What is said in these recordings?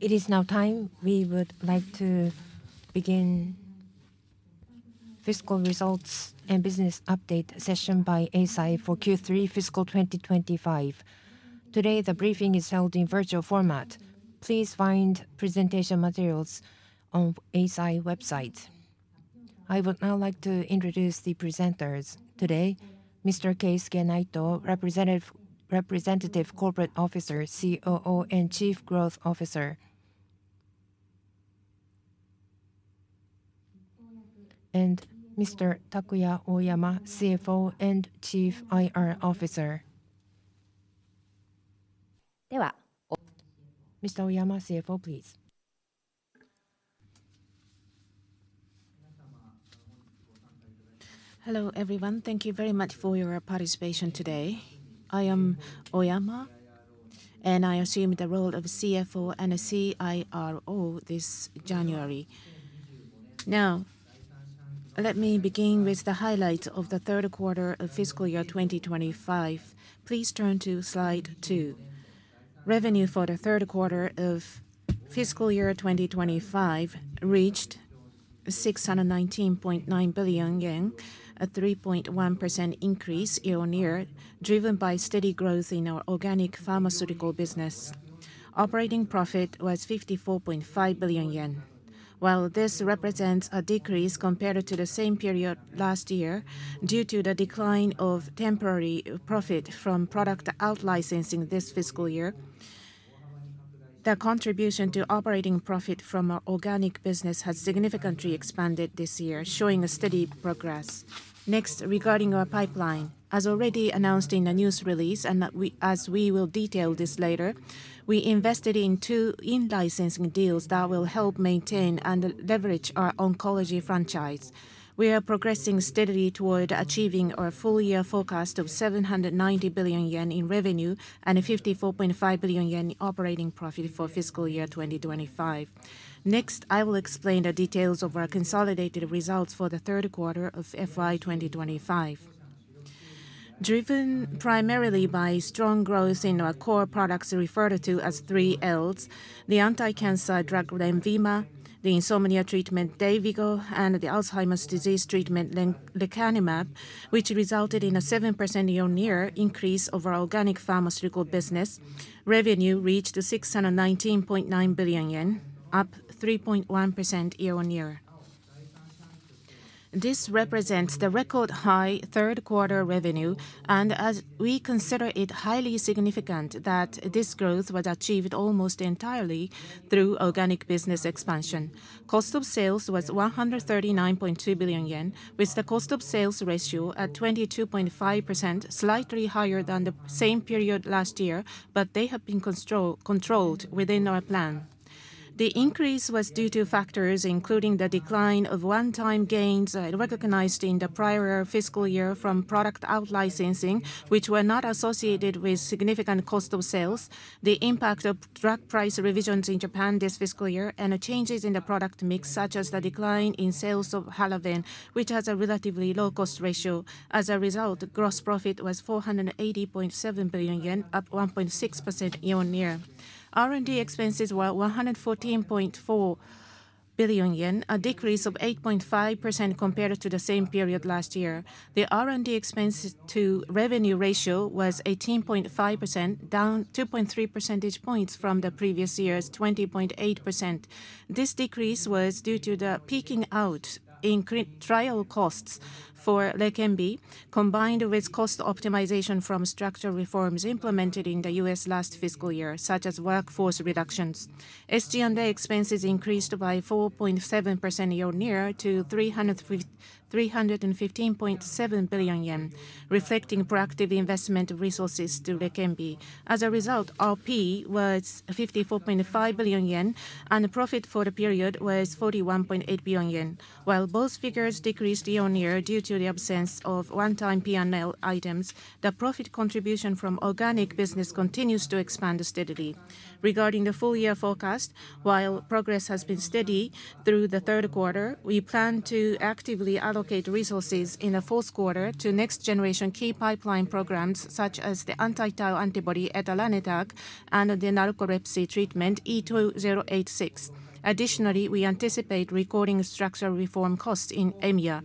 It is now time. We would like to begin the fiscal results and business update session by Eisai for Q3 fiscal 2025. Today the briefing is held in virtual format. Please find presentation materials on Eisai's website. I would now like to introduce the presenters today: Mr. Keisuke Naito, Representative Corporate Officer, COO, and Chief Growth Officer, and Mr. Takuya Oyama, CFO and Chief IR Officer. では、Mr. Oyama, CFO, please. Hello everyone. Thank you very much for your participation today. I am Takuya Oyama, and I assume the role of CFO and CIRO this January. Now, let me begin with the highlights of the third quarter of fiscal year 2025. Please turn to slide 2. Revenue for the third quarter of fiscal year 2025 reached 619.9 billion yen, a 3.1% increase year-on-year, driven by steady growth in our organic pharmaceutical business. Operating profit was 54.5 billion yen. Well, this represents a decrease compared to the same period last year due to the decline of temporary profit from product outlicensing this fiscal year. The contribution to operating profit from our organic business has significantly expanded this year, showing a steady progress. Next, regarding our pipeline, as already announced in the news release and as we will detail this later, we invested in two in-licensing deals that will help maintain and leverage our oncology franchise. We are progressing steadily toward achieving our full-year forecast of 790 billion yen in revenue and 54.5 billion yen operating profit for fiscal year 2025. Next, I will explain the details of our consolidated results for the third quarter of FY 2025. Driven primarily by strong growth in our core products referred to as three Ls: the anti-cancer drug LENVIMA, the insomnia treatment DAYVIGO, and the Alzheimer's disease treatment LEQEMBI, which resulted in a 7% year-on-year increase of our organic pharmaceutical business, revenue reached 619.9 billion yen, up 3.1% year-on-year. This represents the record high third quarter revenue, and we consider it highly significant that this growth was achieved almost entirely through organic business expansion. Cost of sales was 139.2 billion yen, with the cost of sales ratio at 22.5%, slightly higher than the same period last year, but they have been controlled within our plan. The increase was due to factors including the decline of one-time gains recognized in the prior fiscal year from product outlicensing, which were not associated with significant cost of sales, the impact of drug price revisions in Japan this fiscal year, and changes in the product mix such as the decline in sales of HALAVEN, which has a relatively low cost ratio. As a result, gross profit was 480.7 billion yen, up 1.6% year-on-year. R&D expenses were 114.4 billion yen, a decrease of 8.5% compared to the same period last year. The R&D expense-to-revenue ratio was 18.5%, down 2.3 percentage points from the previous year's 20.8%. This decrease was due to the peaking out in trial costs for LEQEMBI, combined with cost optimization from structural reforms implemented in the U.S. last fiscal year, such as workforce reductions. SG&A expenses increased by 4.7% year-on-year to 315.7 billion yen, reflecting proactive investment resources to LEQEMBI. As a result, RP was 54.5 billion yen, and profit for the period was 41.8 billion yen. While both figures decreased year-on-year due to the absence of one-time P&L items, the profit contribution from organic business continues to expand steadily. Regarding the full-year forecast, while progress has been steady through the third quarter, we plan to actively allocate resources in the fourth quarter to next-generation key pipeline programs such as the antitau antibody etalanetug and the narcolepsy treatment E2086. Additionally, we anticipate recording structural reform costs in EMEA.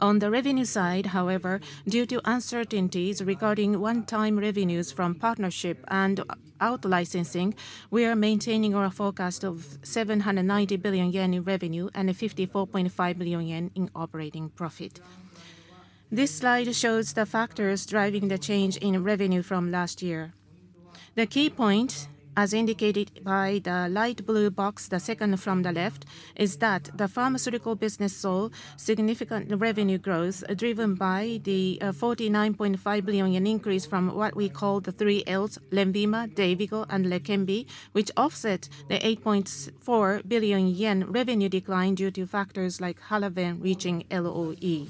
On the revenue side, however, due to uncertainties regarding one-time revenues from partnership and outlicensing, we are maintaining our forecast of 790 billion yen in revenue and 54.5 billion yen in operating profit. This slide shows the factors driving the change in revenue from last year. The key point, as indicated by the light blue box, the second from the left, is that the pharmaceutical business saw significant revenue growth driven by the 49.5 billion increase from what we call the three Ls: LENVIMA, DAYVIGO, and LEQEMBI, which offset the 8.4 billion yen revenue decline due to factors like HALAVEN reaching LOE.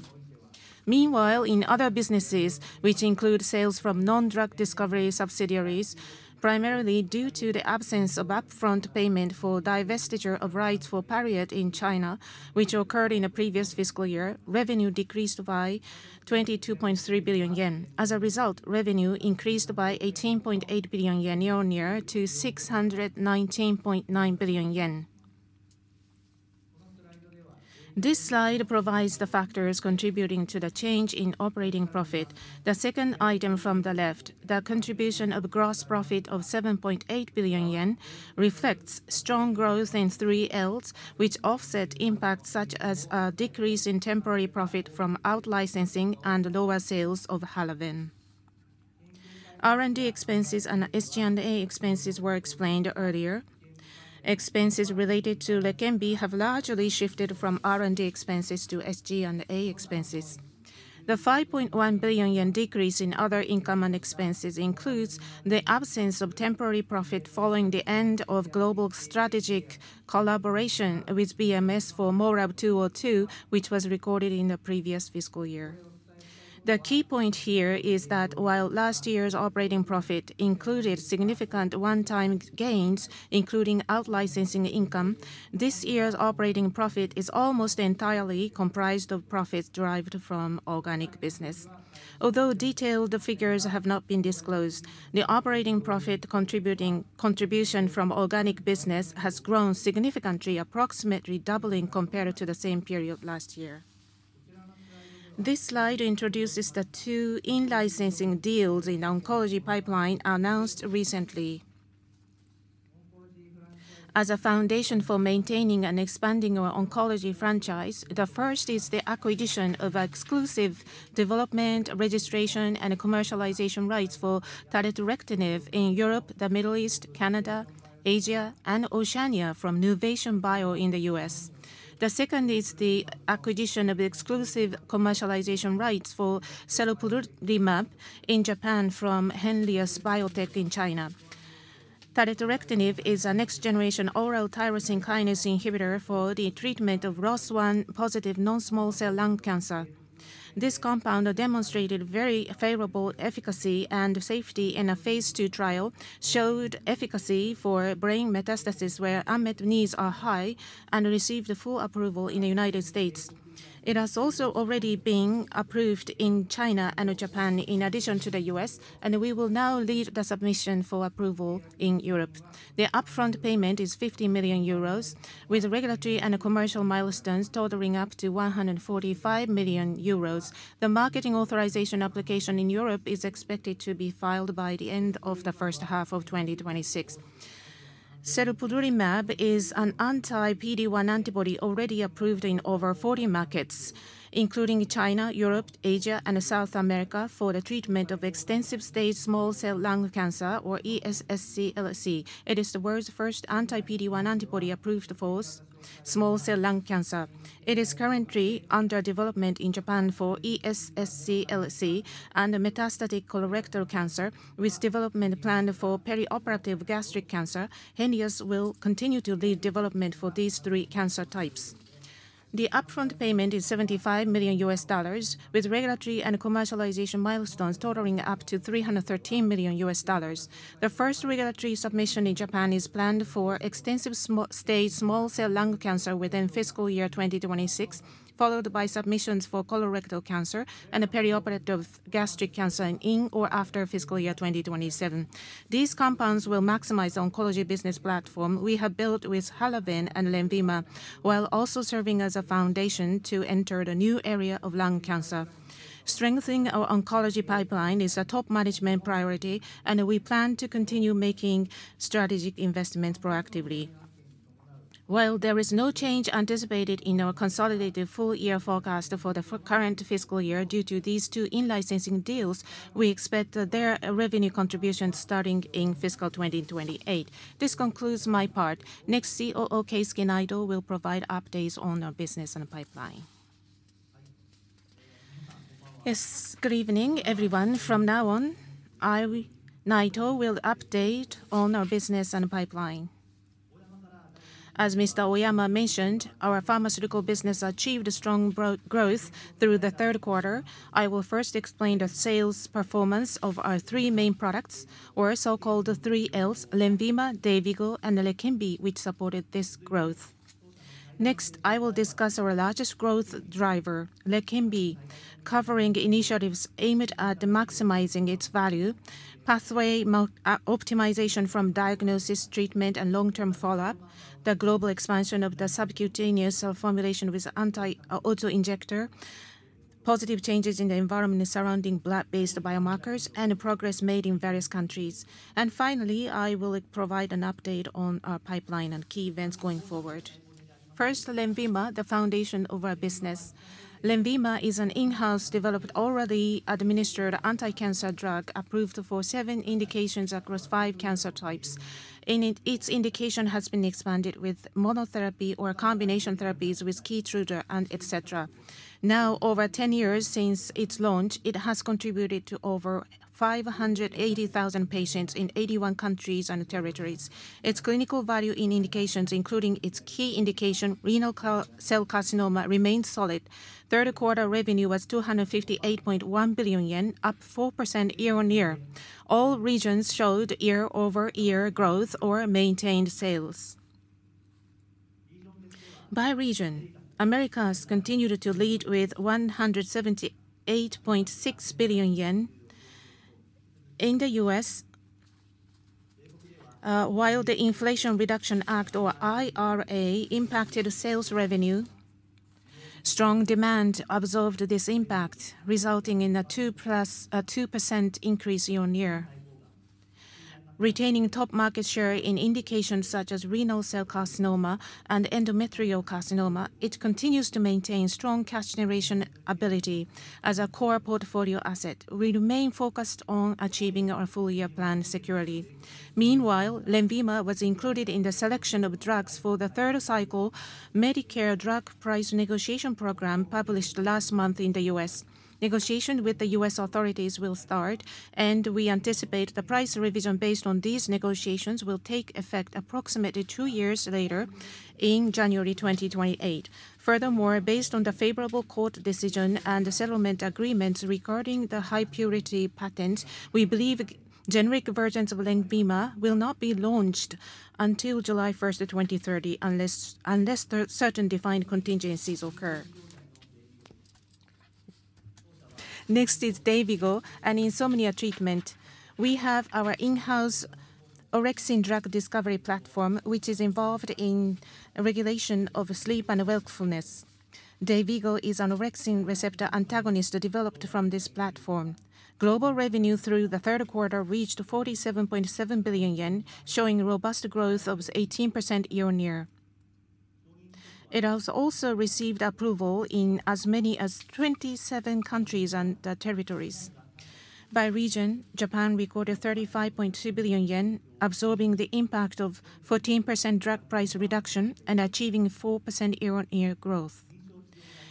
Meanwhile, in other businesses, which include sales from non-drug discovery subsidiaries, primarily due to the absence of upfront payment for divestiture of rights for PARIET in China, which occurred in the previous fiscal year, revenue decreased by 22.3 billion yen. As a result, revenue increased by 18.8 billion yen year-on-year to 619.9 billion yen. This slide provides the factors contributing to the change in operating profit. The second item from the left, the contribution of gross profit of 7.8 billion yen, reflects strong growth in 3Ls, which offset impacts such as a decrease in temporary profit from outlicensing and lower sales of HALAVEN. R&D expenses and SG&A expenses were explained earlier. Expenses related to LEQEMBI have largely shifted from R&D expenses to SG&A expenses. The 5.1 billion yen decrease in other income and expenses includes the absence of temporary profit following the end of global strategic collaboration with BMS for MORAb-202, which was recorded in the previous fiscal year. The key point here is that while last year's operating profit included significant one-time gains, including outlicensing income, this year's operating profit is almost entirely comprised of profits derived from organic business. Although detailed figures have not been disclosed, the operating profit contribution from organic business has grown significantly, approximately doubling compared to the same period last year. This slide introduces the two in-licensing deals in the oncology pipeline announced recently. As a foundation for maintaining and expanding our oncology franchise, the first is the acquisition of exclusive development, registration, and commercialization rights for Taletrectinib in Europe, the Middle East, Canada, Asia, and Oceania from Nuvation Bio in the U.S. The second is the acquisition of exclusive commercialization rights for Serplulimab in Japan from Henlius Biotech in China. Taletrectinib is a next-generation oral tyrosine kinase inhibitor for the treatment of ROS1-positive non-small cell lung cancer. This compound demonstrated very favorable efficacy and safety in a phase II trial, showed efficacy for brain metastasis where unmet needs are high, and received full approval in the United States. It has also already been approved in China and Japan in addition to the U.S., and we will now lead the submission for approval in Europe. The upfront payment is 50 million euros, with regulatory and commercial milestones totaling up to 145 million euros. The marketing authorization application in Europe is expected to be filed by the end of the first half of 2026. Serplulimab is an anti-PD-1 antibody already approved in over 40 markets, including China, Europe, Asia, and South America, for the treatment of extensive-stage small cell lung cancer, or ES-SCLC. It is the world's first anti-PD-1 antibody approved for small cell lung cancer. It is currently under development in Japan for ES-SCLC and metastatic colorectal cancer, with development planned for perioperative gastric cancer. Henlius will continue to lead development for these three cancer types. The upfront payment is $75 million, with regulatory and commercialization milestones totaling up to $313 million. The first regulatory submission in Japan is planned for extensive-stage small cell lung cancer within fiscal year 2026, followed by submissions for colorectal cancer and perioperative gastric cancer in or after fiscal year 2027. These compounds will maximize the oncology business platform we have built with HALAVEN and LENVIMA, while also serving as a foundation to enter the new area of lung cancer. Strengthening our oncology pipeline is a top management priority, and we plan to continue making strategic investments proactively. While there is no change anticipated in our consolidated full-year forecast for the current fiscal year due to these two in-licensing deals, we expect their revenue contributions starting in fiscal 2028. This concludes my part. Next, COO Keisuke Naito will provide updates on our business and pipeline. Yes, good evening, everyone. From now on, I, Naito, will update on our business and pipeline. As Mr. Oyama mentioned, our pharmaceutical business achieved strong growth through the third quarter. I will first explain the sales performance of our three main products, or so-called 3Ls: LENVIMA, DAYVIGO, and LEQEMBI, which supported this growth. Next, I will discuss our largest growth driver, LEQEMBI, covering initiatives aimed at maximizing its value, pathway optimization from diagnosis, treatment, and long-term follow-up, the global expansion of the subcutaneous formulation with SC AI autoinjector, positive changes in the environment surrounding blood-based biomarkers, and progress made in various countries. Finally, I will provide an update on our pipeline and key events going forward. First, LENVIMA, the foundation of our business. LENVIMA is an in-house developed, already administered anti-cancer drug approved for seven indications across five cancer types. Its indication has been expanded with monotherapy or combination therapies with KEYTRUDA, etc. Now, over 10 years since its launch, it has contributed to over 580,000 patients in 81 countries and territories. Its clinical value in indications, including its key indication, renal cell carcinoma, remains solid. Third quarter revenue was 258.1 billion yen, up 4% year-on-year. All regions showed year-over-year growth or maintained sales. By region, Americas has continued to lead with 178.6 billion yen. In the U.S., while the Inflation Reduction Act, or IRA, impacted sales revenue, strong demand absorbed this impact, resulting in a 2% increase year-on-year. Retaining top market share in indications such as renal cell carcinoma and endometrial carcinoma, it continues to maintain strong cash generation ability as a core portfolio asset. We remain focused on achieving our full-year plan securely. Meanwhile, LENVIMA was included in the selection of drugs for the third cycle Medicare Drug Price Negotiation Program published last month in the U.S. Negotiations with the U.S. authorities will start, and we anticipate the price revision based on these negotiations will take effect approximately two years later, in January 2028. Furthermore, based on the favorable court decision and settlement agreements regarding the high purity patent, we believe generic versions of LENVIMA will not be launched until July 1, 2030, unless certain defined contingencies occur. Next is DAYVIGO and Insomnia treatment. We have our in-house orexin drug discovery platform, which is involved in regulation of sleep and wakefulness. DAYVIGO is an orexin receptor antagonist developed from this platform. Global revenue through the third quarter reached 47.7 billion yen, showing robust growth of 18% year-on-year. It has also received approval in as many as 27 countries and territories. By region, Japan recorded 35.2 billion yen, absorbing the impact of 14% drug price reduction and achieving 4% year-on-year growth.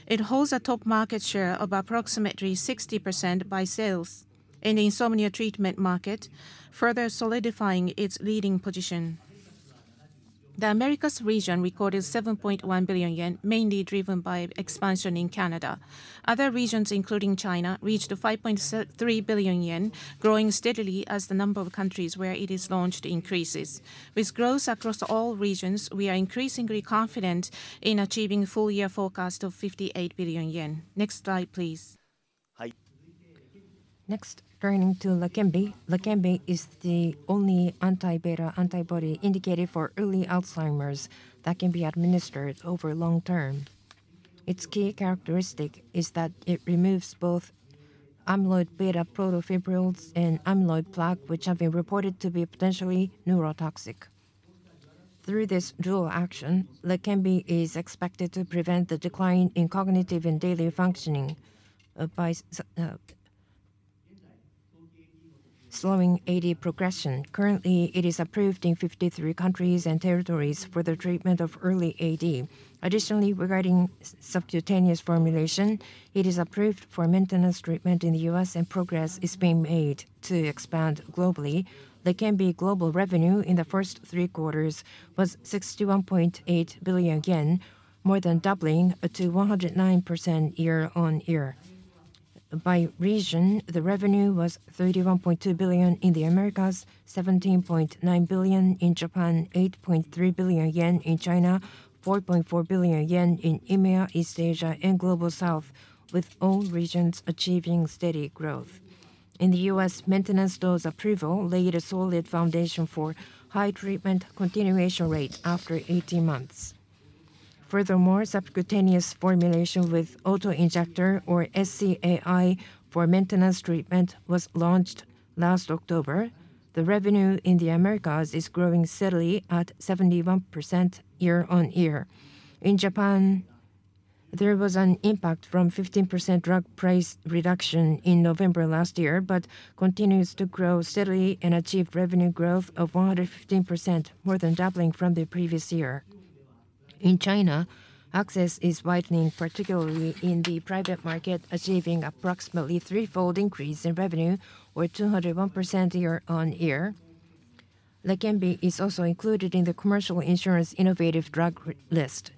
It holds a top market share of approximately 60% by sales in the insomnia treatment market, further solidifying its leading position. The Americas region recorded 7.1 billion yen, mainly driven by expansion in Canada. Other regions, including China, reached 5.3 billion yen, growing steadily as the number of countries where it is launched increases. With growth across all regions, we are increasingly confident in achieving a full-year forecast of 58 billion yen. Next slide, please. Next, turning to LEQEMBI. LEQEMBI is the only anti-amyloid beta antibody indicated for early Alzheimer's that can be administered over long term. Its key characteristic is that it removes both amyloid beta protofibrils and amyloid plaque, which have been reported to be potentially neurotoxic. Through this dual action, LEQEMBI is expected to prevent the decline in cognitive and daily functioning by slowing AD progression. Currently, it is approved in 53 countries and territories for the treatment of early AD. Additionally, regarding subcutaneous formulation, it is approved for maintenance treatment in the U.S., and progress is being made to expand globally. LEQEMBI global revenue in the first three quarters was 61.8 billion yen, more than doubling to 109% year-on-year. By region, the revenue was 31.2 billion in the Americas, 17.9 billion in Japan, 8.3 billion yen in China, 4.4 billion yen in EMEA, East Asia, and Global South, with all regions achieving steady growth. In the U.S., maintenance dose approval laid a solid foundation for high treatment continuation rate after 18 months. Furthermore, subcutaneous formulation with autoinjector, or SCAI, for maintenance treatment was launched last October. The revenue in the Americas is growing steadily at 71% year-on-year. In Japan, there was an impact from 15% drug price reduction in November last year, but continues to grow steadily and achieve revenue growth of 115%, more than doubling from the previous year. In China, access is widening, particularly in the private market, achieving approximately a threefold increase in revenue, or 201% year-on-year. LEQEMBI is also included in the Commercial Insurance Innovative Drug list.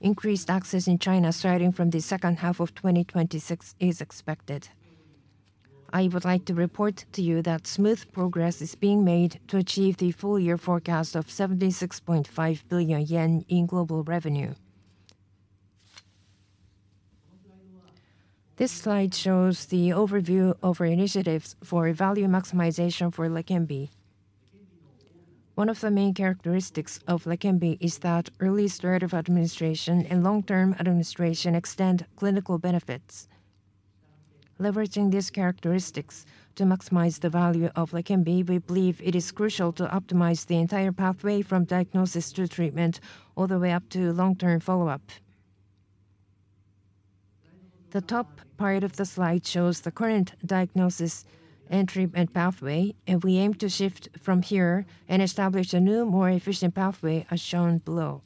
Increased access in China starting from the second half of 2026 is expected. I would like to report to you that smooth progress is being made to achieve the full-year forecast of 76.5 billion yen in global revenue. This slide shows the overview of our initiatives for value maximization for LEQEMBI. One of the main characteristics of LEQEMBI is that early start of administration and long-term administration extend clinical benefits. Leveraging these characteristics to maximize the value of LEQEMBI, we believe it is crucial to optimize the entire pathway from diagnosis to treatment all the way up to long-term follow-up. The top part of the slide shows the current diagnosis and treatment pathway, and we aim to shift from here and establish a new, more efficient pathway, as shown below.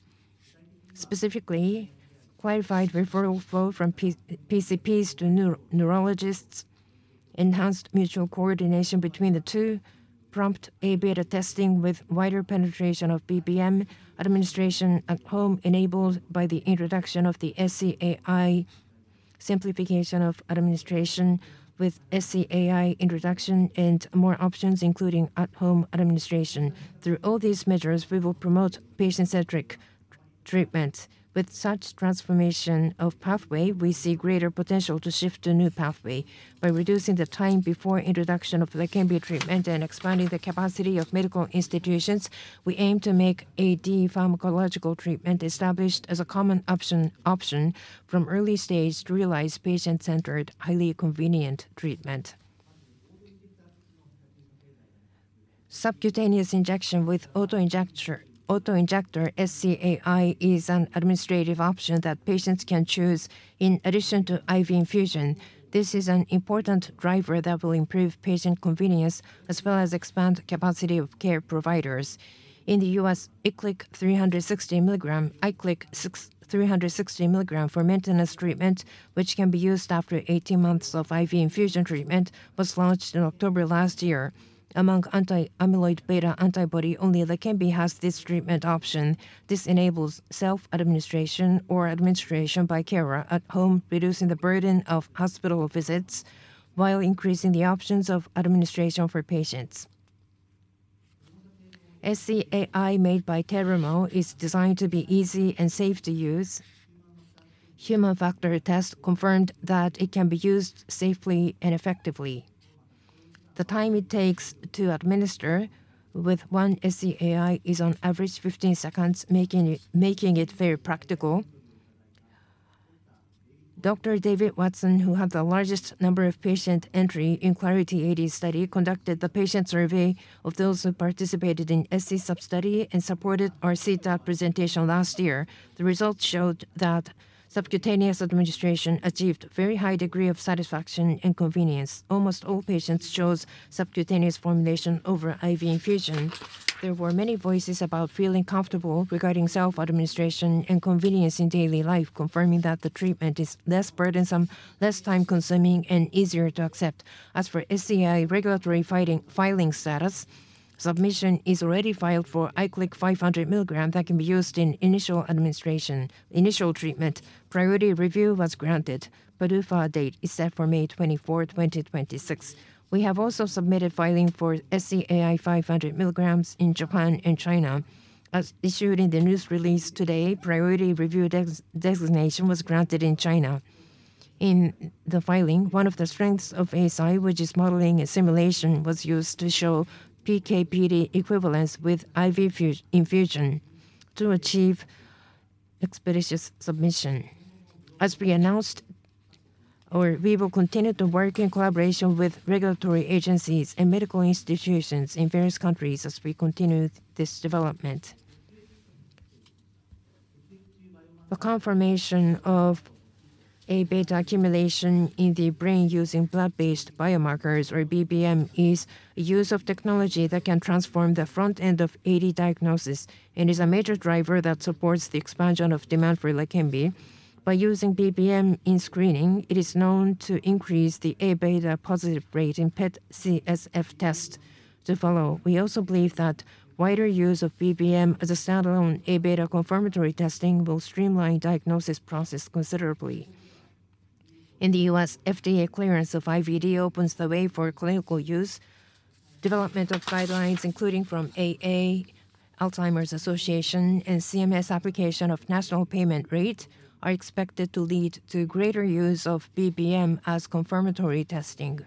Specifically, qualified referral flow from PCPs to neurologists, enhanced mutual coordination between the two, prompt A beta testing with wider penetration of BBM, administration at home enabled by the introduction of the SCAI, simplification of administration with SCAI introduction, and more options, including at-home administration. Through all these measures, we will promote patient-centric treatment. With such transformation of pathway, we see greater potential to shift to a new pathway. By reducing the time before introduction of LEQEMBI treatment and expanding the capacity of medical institutions, we aim to make AD pharmacological treatment established as a common option from early stage to realize patient-centered, highly convenient treatment. Subcutaneous injection with autoinjector, SCAI, is an administrative option that patients can choose in addition to IV infusion. This is an important driver that will improve patient convenience as well as expand the capacity of care providers. In the U.S., LEQEMBI SC 360 milligrams for maintenance treatment, which can be used after 18 months of IV infusion treatment, was launched in October last year. Among anti-amyloid beta antibody, only LEQEMBI has this treatment option. This enables self-administration or administration by care at home, reducing the burden of hospital visits while increasing the options of administration for patients. SCAI made by Terumo is designed to be easy and safe to use. Human factor test confirmed that it can be used safely and effectively. The time it takes to administer with one SCAI is, on average, 15 seconds, making it very practical. Dr. David Weisman, who had the largest number of patient entry in Clarity AD study, conducted the patient survey of those who participated in SC sub-study and supported our CTAD presentation last year. The results showed that subcutaneous administration achieved a very high degree of satisfaction and convenience. Almost all patients chose subcutaneous formulation over IV infusion. There were many voices about feeling comfortable regarding self-administration and convenience in daily life, confirming that the treatment is less burdensome, less time-consuming, and easier to accept. As for SCAI regulatory filing status, submission is already filed for LEQEMBI SC 500 mg that can be used in initial administration, initial treatment. Priority review was granted. PDUFA date is set for May 24, 2026. We have also submitted filing for SCAI 500 milligrams in Japan and China. As issued in the news release today, priority review designation was granted in China. In the filing, one of the strengths of ASI, which is modeling and simulation, was used to show PKPD equivalence with IV infusion to achieve expeditious submission. As we announced, we will continue to work in collaboration with regulatory agencies and medical institutions in various countries as we continue this development. The confirmation of A beta accumulation in the brain using blood-based biomarkers, or BBM, is a use of technology that can transform the front end of AD diagnosis and is a major driver that supports the expansion of demand for LEQEMBI. By using BBM in screening, it is known to increase the A beta positive rate in PET CSF test to follow. We also believe that wider use of BBM as a standalone A beta confirmatory testing will streamline the diagnosis process considerably. In the U.S., FDA clearance of IVD opens the way for clinical use. Development of guidelines, including from AA, Alzheimer's Association, and CMS application of national payment rate, are expected to lead to greater use of BBM as confirmatory testing,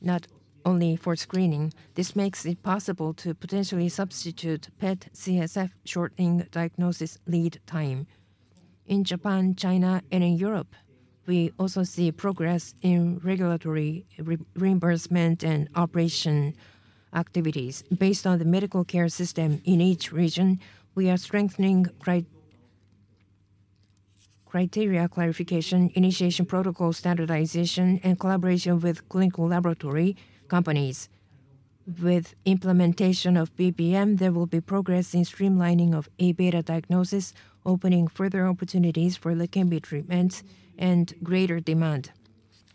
not only for screening. This makes it possible to potentially substitute PET CSF shortening diagnosis lead time. In Japan, China, and in Europe, we also see progress in regulatory reimbursement and operation activities. Based on the medical care system in each region, we are strengthening criteria clarification, initiation protocol standardization, and collaboration with clinical laboratory companies. With implementation of BBM, there will be progress in streamlining of A beta diagnosis, opening further opportunities for LEQEMBI treatment and greater demand.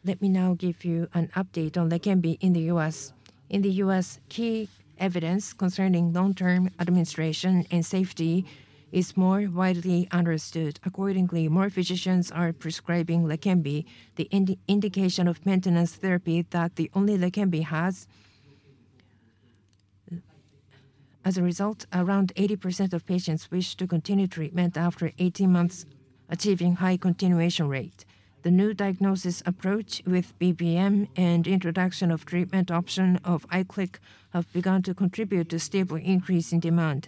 Let me now give you an update on LEQEMBIi in the U.S. In the U.S., key evidence concerning long-term administration and safety is more widely understood. Accordingly, more physicians are prescribing LEQEMBI, the indication of maintenance therapy that the only LEQEMBI has. As a result, around 80% of patients wish to continue treatment after 18 months, achieving a high continuation rate. The new diagnosis approach with BBM and introduction of treatment option of LEQEMBI SC have begun to contribute to a stable increase in demand.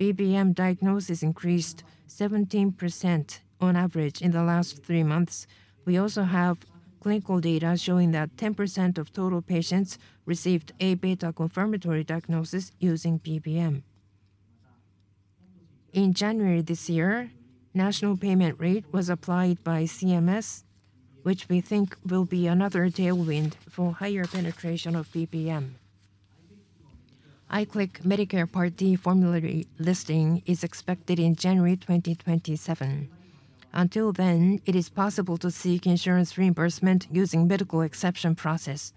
BBM diagnosis increased 17% on average in the last three months. We also have clinical data showing that 10% of total patients received A beta confirmatory diagnosis using BBM. In January this year, national payment rate was applied by CMS, which we think will be another tailwind for higher penetration of BBM. LEQEMBI SC Medicare Part D formulary listing is expected in January 2027. Until then, it is possible to seek insurance reimbursement using the medical exception process,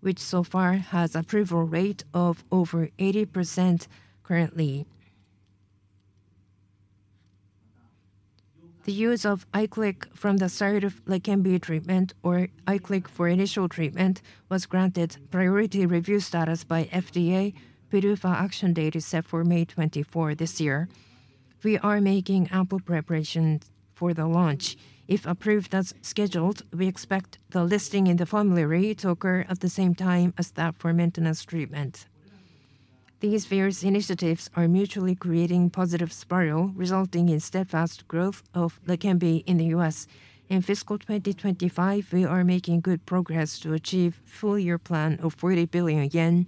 which so far has an approval rate of over 80% currently. The use of LEQEMBI SC from the start of LEQEMBI treatment, or LEQEMBI SC for initial treatment, was granted priority review status by FDA. PDUFA action date is set for May 24 this year. We are making ample preparations for the launch. If approved as scheduled, we expect the listing in the formulary to occur at the same time as that for maintenance treatment. These various initiatives are mutually creating a positive spiral, resulting in steadfast growth of LEQEMBI in the U.S. In fiscal 2025, we are making good progress to achieve a full-year plan of 40 billion yen,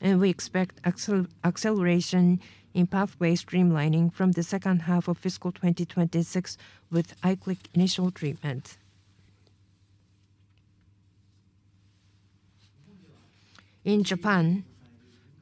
and we expect acceleration in pathway streamlining from the second half of fiscal 2026 with LEQEMBI SC initial treatment. In Japan,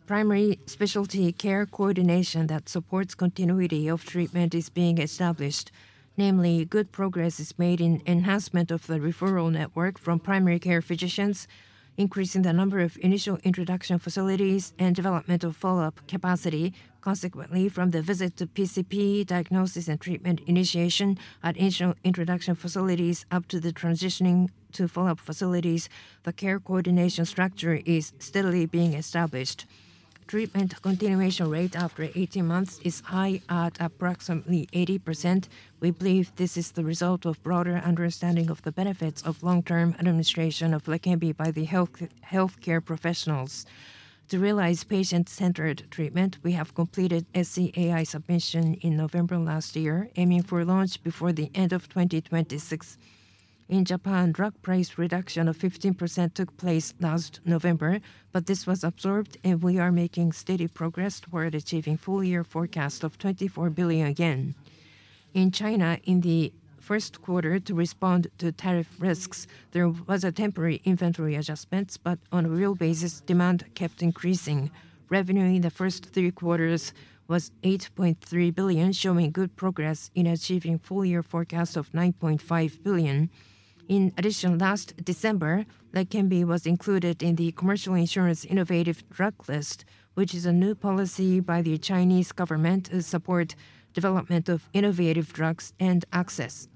primary specialty care coordination that supports continuity of treatment is being established. Namely, good progress is made in enhancement of the referral network from primary care physicians, increasing the number of initial introduction facilities, and development of follow-up capacity. Consequently, from the visit to PCP, diagnosis and treatment initiation at initial introduction facilities up to the transitioning to follow-up facilities, the care coordination structure is steadily being established. Treatment continuation rate after 18 months is high at approximately 80%. We believe this is the result of a broader understanding of the benefits of long-term administration of LEQEMBI by the healthcare professionals. To realize patient-centered treatment, we have completed SCAI submission in November last year, aiming for launch before the end of 2026. In Japan, drug price reduction of 15% took place last November, but this was absorbed, and we are making steady progress toward achieving a full-year forecast of 24 billion. In China, in the first quarter, to respond to tariff risks, there was a temporary inventory adjustment, but on a real basis, demand kept increasing. Revenue in the first three quarters was 8.3 billion, showing good progress in achieving a full-year forecast of 9.5 billion. In addition, last December, LEQEMBI was included in the Commercial Insurance Innovative Drug list, which is a new policy by the Chinese government to support the development of innovative drugs and access.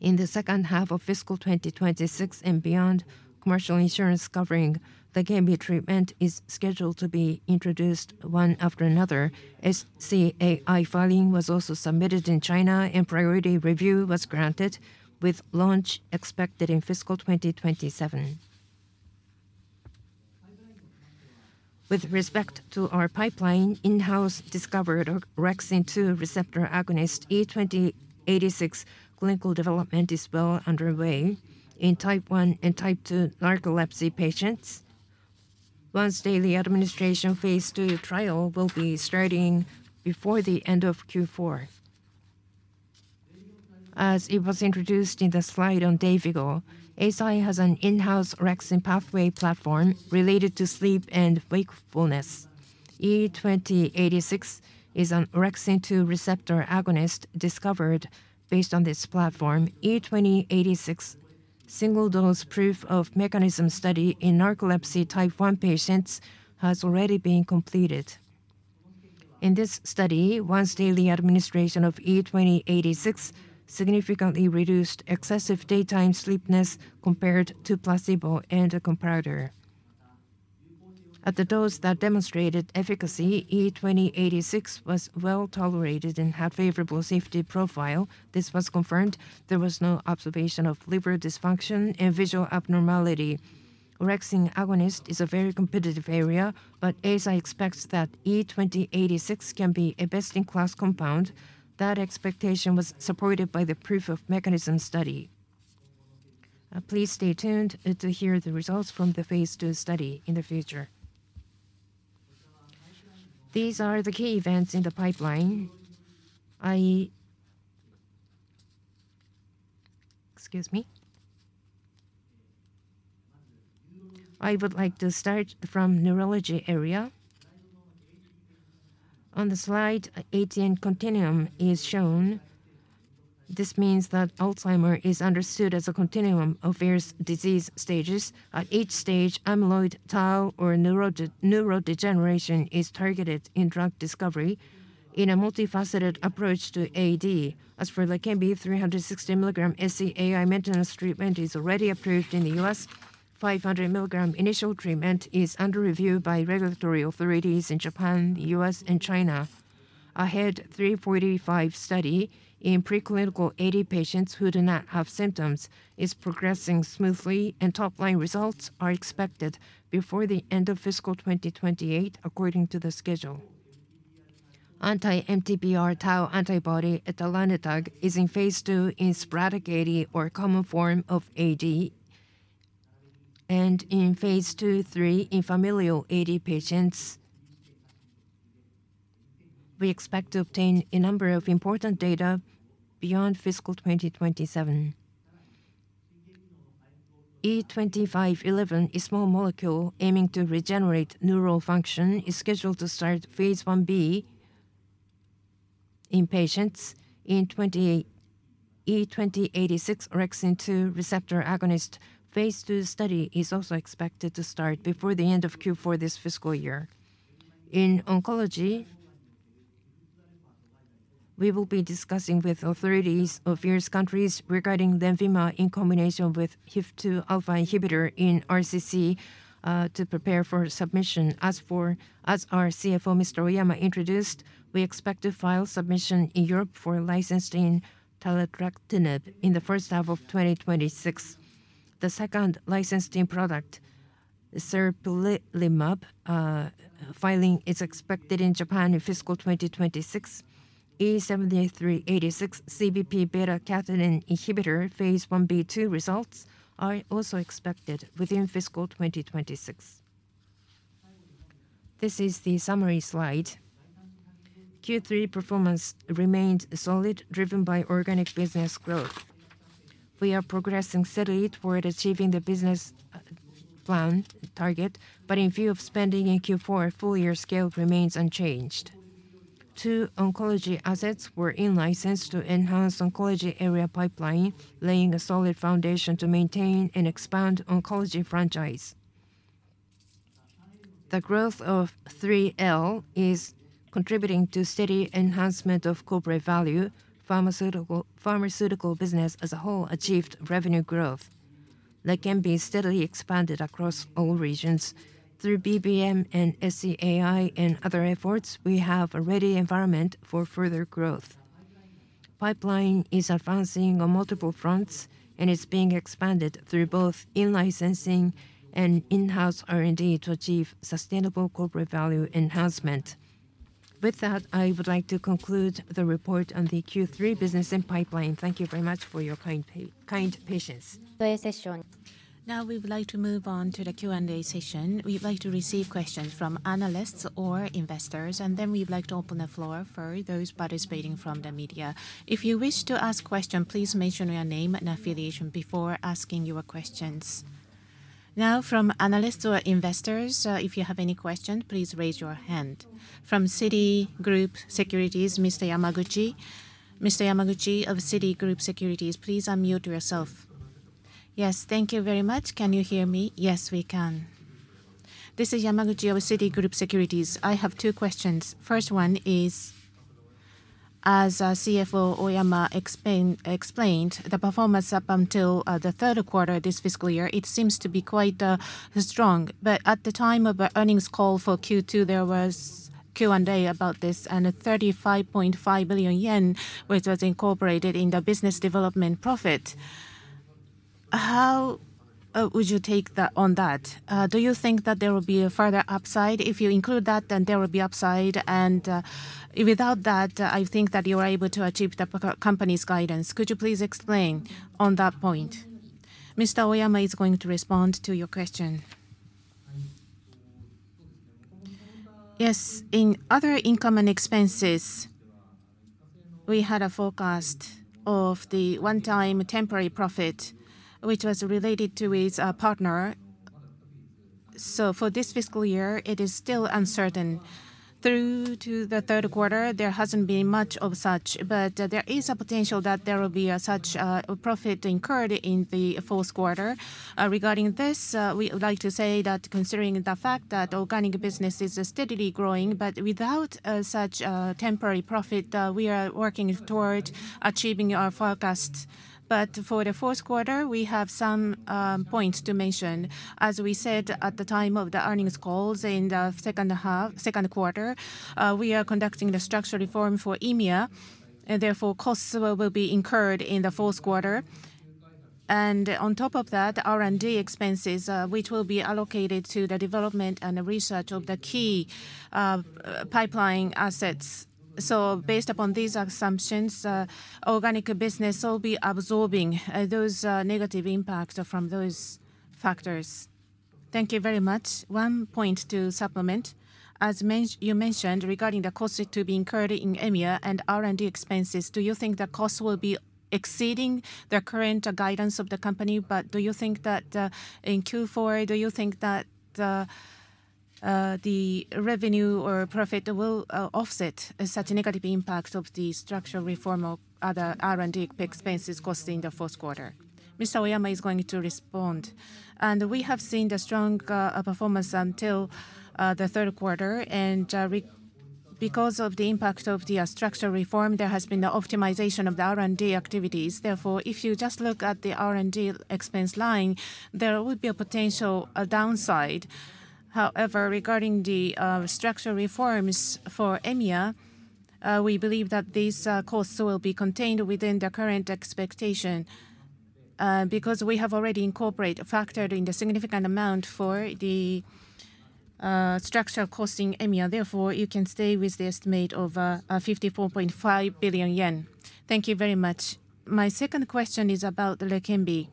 In the second half of fiscal 2026 and beyond, commercial insurance covering LEQEMBI treatment is scheduled to be introduced one after another. SCAI filing was also submitted in China, and priority review was granted, with launch expected in fiscal 2027. With respect to our pipeline, in-house discovered orexin 2 receptor agonist E2086 clinical development is well underway in type 1 and type 2 narcolepsy patients. Once-daily administration phase 2 trial will be starting before the end of Q4. As it was introduced in the slides on display, Eisai has an in-house orexin pathway platform related to sleep and wakefulness. E2086 is an orexin 2 receptor agonist discovered based on this platform. E2086 single-dose proof of mechanism study in narcolepsy type 1 patients has already been completed. In this study, once-daily administration of E2086 significantly reduced excessive daytime sleepiness compared to placebo and a comparator. At the dose that demonstrated efficacy, E2086 was well tolerated and had a favorable safety profile. This was confirmed. There was no observation of liver dysfunction and visual abnormality. Orexin agonist is a very competitive area, but Eisai expects that E2086 can be a best-in-class compound. That expectation was supported by the proof of mechanism study. Please stay tuned to hear the results from the phase 2 study in the future. These are the key events in the pipeline. I would like to start from the neurology area. On the slide, an ATN Continuum is shown. This means that Alzheimer's is understood as a continuum of various disease stages. At each stage, amyloid, tau, or neurodegeneration is targeted in drug discovery in a multifaceted approach to AD. As for LEQEMBI, 360 milligram SCAI maintenance treatment is already approved in the U.S. 500 milligram initial treatment is under review by regulatory authorities in Japan, the U.S., and China. AHEAD 3-45 study in preclinical AD patients who do not have symptoms is progressing smoothly, and top-line results are expected before the end of fiscal 2028, according to the schedule. Anti-MTBR tau antibody in the DIAN-TU is in phase 2 in sporadic AD, or a common form of AD, and in phase 2/3 in familial AD patients. We expect to obtain a number of important data beyond fiscal 2027. E2511, a small molecule aiming to regenerate neural function, is scheduled to start phase 1 B in patients. E2086 orexin 2 receptor agonist phase 2 study is also expected to start before the end of Q4 this fiscal year. In oncology, we will be discussing with authorities of various countries regarding LENVIMA in combination with HIF-2 alpha inhibitor in RCC to prepare for submission. As our CFO, Mr. Oyama introduced, we expect to file submission in Europe for licensing taletrectinib in the first half of 2026. The second licensing product, serplulimab, filing is expected in Japan in fiscal 2026. E7386 CBP/beta-catenin inhibitor Phase 1b/2 results are also expected within fiscal 2026. This is the summary slide. Q3 performance remained solid, driven by organic business growth. We are progressing steadily toward achieving the business plan target, but in view of spending in Q4, full-year scale remains unchanged. Two oncology assets were in-licensed to enhance the oncology area pipeline, laying a solid foundation to maintain and expand the oncology franchise. The growth of 3Ls is contributing to steady enhancement of corporate value. Pharmaceutical business as a whole achieved revenue growth. LEQEMBI steadily expanded across all regions. Through BBM and SCAI and other efforts, we have a ready environment for further growth. The pipeline is advancing on multiple fronts, and it's being expanded through both in-licensing and in-house R&D to achieve sustainable corporate value enhancement. With that, I would like to conclude the report on the Q3 business and pipeline. Thank you very much for your kind patience. Now, we would like to move on to the Q&A session. We would like to receive questions from analysts or investors, and then we would like to open the floor for those participating from the media. If you wish to ask a question, please mention your name and affiliation before asking your questions. Now, from analysts or investors, if you have any questions, please raise your hand. From Citigroup Securities, Mr. Yamaguchi of Citigroup Securities, please unmute yourself. Yes, thank you very much. Can you hear me? Yes, we can. This is Yamaguchi of Citi Group Securities. I have two questions. First one is, as CFO Oyama explained, the performance up until the third quarter of this fiscal year, it seems to be quite strong. But at the time of the earnings call for Q2, there was Q&A about this, and 35.5 billion yen, which was incorporated in the business development profit. How would you take on that? Do you think that there will be a further upside? If you include that, then there will be upside. And without that, I think that you are able to achieve the company's guidance. Could you please explain on that point? Mr. Oyama is going to respond to your question. Yes, in other income and expenses, we had a forecast of the one-time temporary profit, which was related to his partner. So for this fiscal year, it is still uncertain. Through to the third quarter, there hasn't been much of such, but there is a potential that there will be such a profit incurred in the fourth quarter. Regarding this, we would like to say that considering the fact that organic business is steadily growing, but without such temporary profit, we are working toward achieving our forecast. For the fourth quarter, we have some points to mention. As we said at the time of the earnings calls in the second quarter, we are conducting the structural reform for EMEA, and therefore, costs will be incurred in the fourth quarter. On top of that, R&D expenses, which will be allocated to the development and research of the key pipeline assets. So based upon these assumptions, organic business will be absorbing those negative impacts from those factors. Thank you very much. One point to supplement. As you mentioned, regarding the costs to be incurred in EMEA and R&D expenses, do you think the costs will be exceeding the current guidance of the company? But do you think that in Q4, do you think that the revenue or profit will offset such a negative impact of the structural reform or other R&D expenses costing in the fourth quarter? Mr. Oyama is going to respond. We have seen a strong performance until the third quarter. Because of the impact of the structural reform, there has been an optimization of the R&D activities. Therefore, if you just look at the R&D expense line, there would be a potential downside. However, regarding the structural reforms for EMEA, we believe that these costs will be contained within the current expectation because we have already incorporated factored in a significant amount for the structural costing EMEA. Therefore, you can stay with the estimate of 54.5 billion yen. Thank you very much. My second question is about LEQEMBI.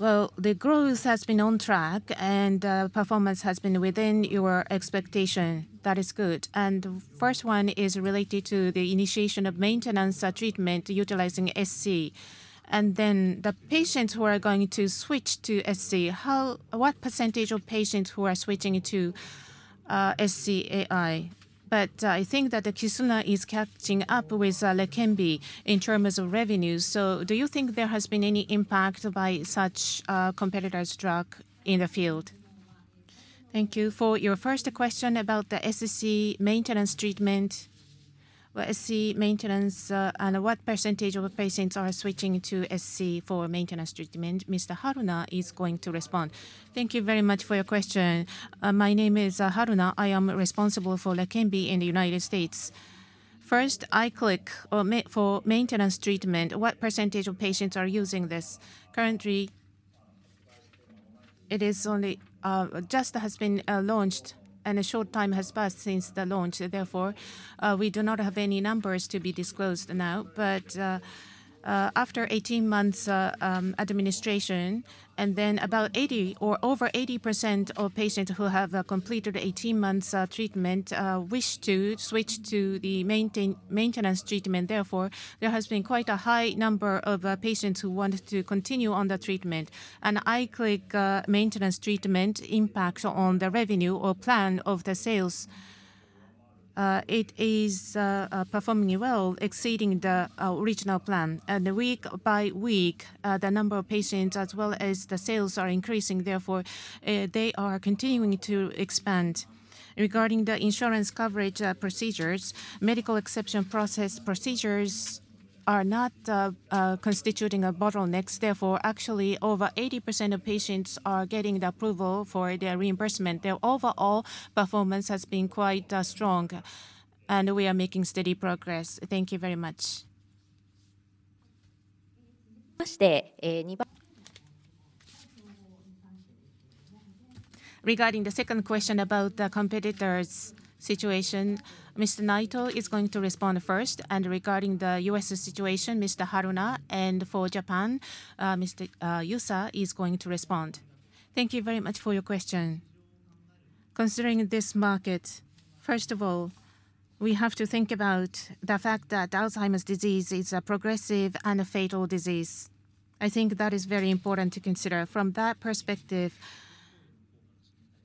Well, the growth has been on track, and performance has been within your expectation. That is good. And the first one is related to the initiation of maintenance treatment utilizing SC. And then the patients who are going to switch to SC, what percentage of patients who are switching to SCAI? But I think that the KISUNLA is catching up with LEQEMBI in terms of revenue. So do you think there has been any impact by such competitors' drug in the field? Thank you for your first question about the SC maintenance treatment. Well, SC maintenance, and what percentage of patients are switching to SC for maintenance treatment? Mr. Haruna is going to respond. Thank you very much for your question. My name is Haruna. I am responsible for LEQEMBI in the United States. First, I click for maintenance treatment. What percentage of patients are using this currently? It just has been launched, and a short time has passed since the launch. Therefore, we do not have any numbers to be disclosed now. But after 18 months' administration, and then about 80% or over 80% of patients who have completed 18 months' treatment wish to switch to the maintenance treatment. Therefore, there has been quite a high number of patients who want to continue on the treatment. And I click maintenance treatment impact on the revenue or plan of the sales. It is performing well, exceeding the original plan. And week by week, the number of patients as well as the sales are increasing. Therefore, they are continuing to expand. Regarding the insurance coverage procedures, medical exception process procedures are not constituting a bottleneck. Therefore, actually, over 80% of patients are getting the approval for their reimbursement. Their overall performance has been quite strong, and we are making steady progress. Thank you very much. Regarding the second question about the competitors' situation, Mr. Naito is going to respond first. And regarding the U.S. situation, Mr. Haruna, and for Japan, Mr. Yusa is going to respond. Thank you very much for your question. Considering this market, first of all, we have to think about the fact that Alzheimer's disease is a progressive and a fatal disease. I think that is very important to consider. From that perspective,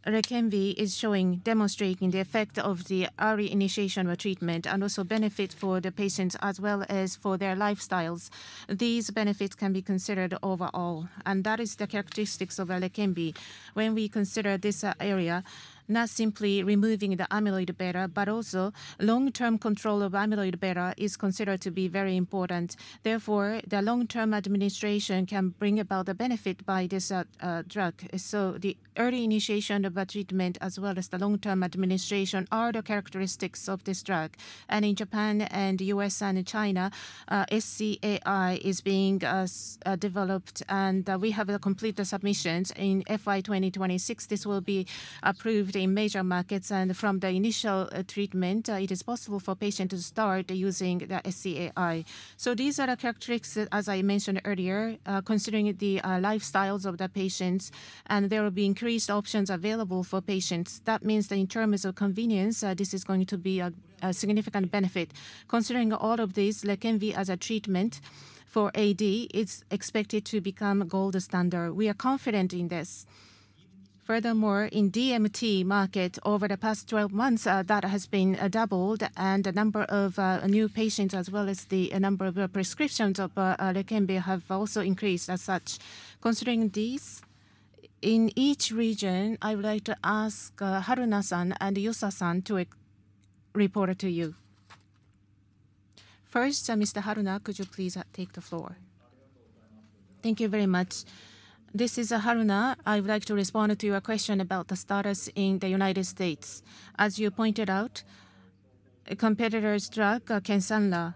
LEQEMBI is showing, demonstrating the effect of the early initiation of treatment and also benefits for the patients as well as for their lifestyles. These benefits can be considered overall. And that is the characteristics of LEQEMBI. When we consider this area, not simply removing the amyloid beta, but also long-term control of amyloid beta is considered to be very important. Therefore, the long-term administration can bring about the benefit by this drug. So the early initiation of a treatment as well as the long-term administration are the characteristics of this drug. And in Japan and the U.S. and China, SCAI is being developed, and we have completed submissions in FY 2026. This will be approved in major markets. And from the initial treatment, it is possible for patients to start using the SCAI. So these are the characteristics, as I mentioned earlier, considering the lifestyles of the patients, and there will be increased options available for patients. That means that in terms of convenience, this is going to be a significant benefit. Considering all of this, LEQEMBI as a treatment for AD, it's expected to become a gold standard. We are confident in this. Furthermore, in the DMT market, over the past 12 months, that has been doubled, and the number of new patients as well as the number of prescriptions of LEQEMBI have also increased as such. Considering these, in each region, I would like to ask Haruna-san and Yusa-san to report to you. First, Mr. Haruna, could you please take the floor? Thank you very much. This is Haruna. I would like to respond to your question about the status in the United States. As you pointed out, a competitor's drug, KISUNLA,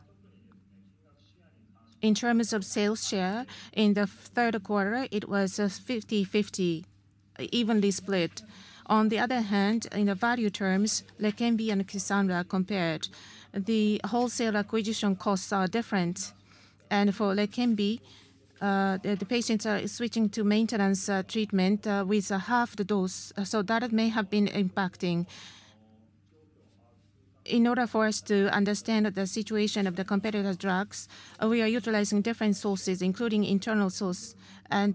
in terms of sales share in the third quarter, it was 50/50, evenly split. On the other hand, in value terms, LEQEMBI and KISUNLA compared. The wholesale acquisition costs are different. For LEQEMBI, the patients are switching to maintenance treatment with half the dose. That may have been impacting. In order for us to understand the situation of the competitor's drugs, we are utilizing different sources, including internal source.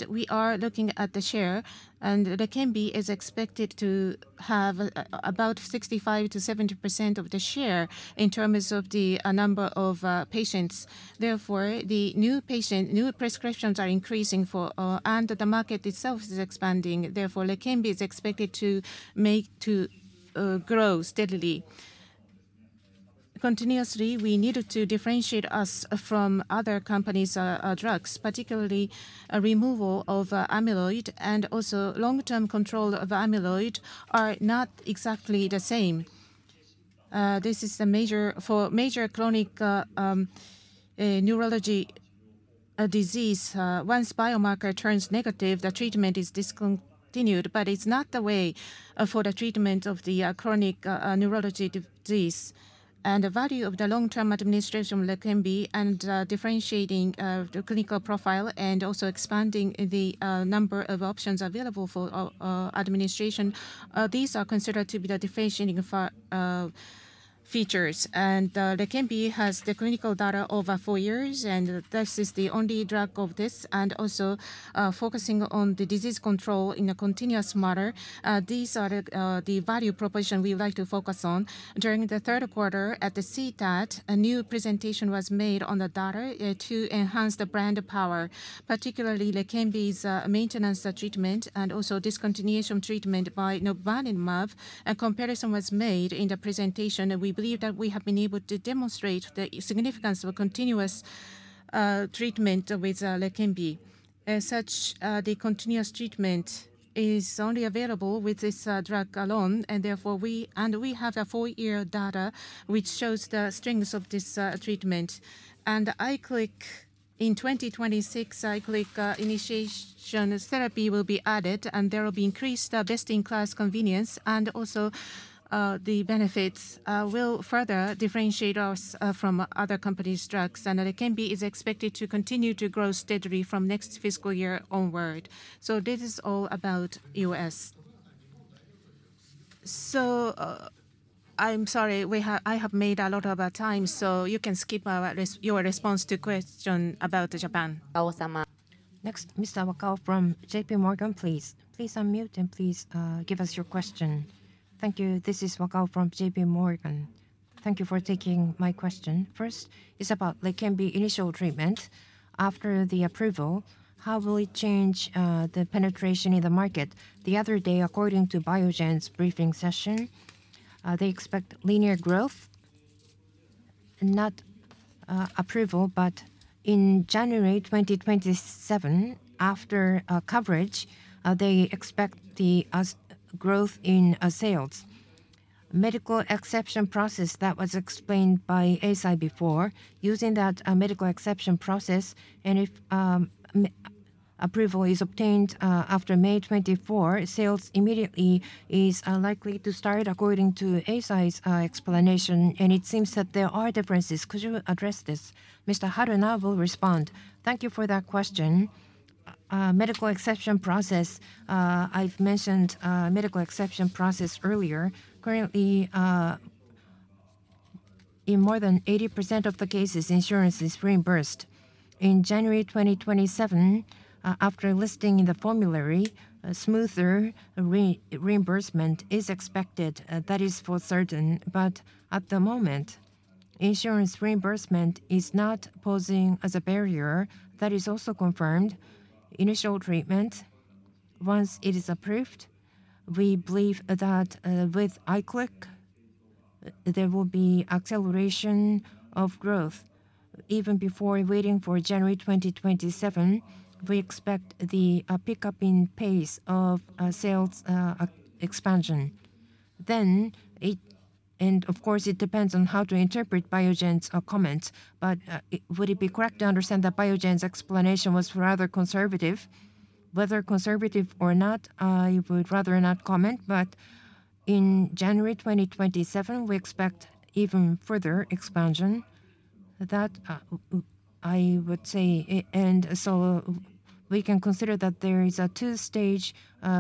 We are looking at the share. LEQEMBI is expected to have about 65%-70% of the share in terms of the number of patients. Therefore, the new prescriptions are increasing, and the market itself is expanding. Therefore, LEQEMBI is expected to grow steadily. Continuously, we need to differentiate us from other companies' drugs, particularly removal of amyloid and also long-term control of amyloid are not exactly the same. This is the major for major chronic neurological disease. Once a biomarker turns negative, the treatment is discontinued. But it's not the way for the treatment of the chronic neurological disease. The value of the long-term administration of LEQEMBI and differentiating the clinical profile and also expanding the number of options available for administration, these are considered to be the differentiating features. LEQEMBI has the clinical data over four years, and this is the only drug of this. And also focusing on the disease control in a continuous manner, these are the value proposition we would like to focus on. During the third quarter, at the CTAD, a new presentation was made on the data to enhance the brand power, particularly LEQEMBI's maintenance treatment and also discontinuation treatment by donanemab. A comparison was made in the presentation. We believe that we have been able to demonstrate the significance of continuous treatment with LEQEMBI. Such the continuous treatment is only available with this drug alone. Therefore, we have the four-year data, which shows the strengths of this treatment. And LEQEMBI SC in 2026, LEQEMBI SC initiation therapy will be added, and there will be increased best-in-class convenience. And also the benefits will further differentiate us from other companies' drugs. And LEQEMBI is expected to continue to grow steadily from next fiscal year onward. So this is all about U.S. So I'm sorry, I have taken a lot of time, so you can skip your response to the question about Japan. Next, Mr. Wakao from J.P. Morgan, please. Please unmute and please give us your question. Thank you. This is Wakao from J.P. Morgan. Thank you for taking my question. First, it's about LEQEMBI initial treatment. After the approval, how will it change the penetration in the market? The other day, according to Biogen's briefing session, they expect linear growth, not approval, but in January 2027, after coverage, they expect the growth in sales. Medical exception process that was explained by Eisai before, using that medical exception process, and if approval is obtained after May 24, 2024, sales immediately is likely to start, according to Eisai's explanation. It seems that there are differences. Could you address this? Mr. Haruna will respond. Thank you for that question. Medical exception process, I've mentioned medical exception process earlier. Currently, in more than 80% of the cases, insurance is reimbursed. In January 2027, after listing in the formulary, smoother reimbursement is expected. That is for certain. But at the moment, insurance reimbursement is not posing as a barrier. That is also confirmed. Initial treatment, once it is approved, we believe that with Iclic, there will be acceleration of growth. Even before waiting for January 2027, we expect the pickup in pace of sales expansion. Then, of course, it depends on how to interpret Biogen's comment. But would it be correct to understand that Biogen's explanation was rather conservative? Whether conservative or not, I would rather not comment. But in January 2027, we expect even further expansion. That, I would say, and so we can consider that there is a two-stage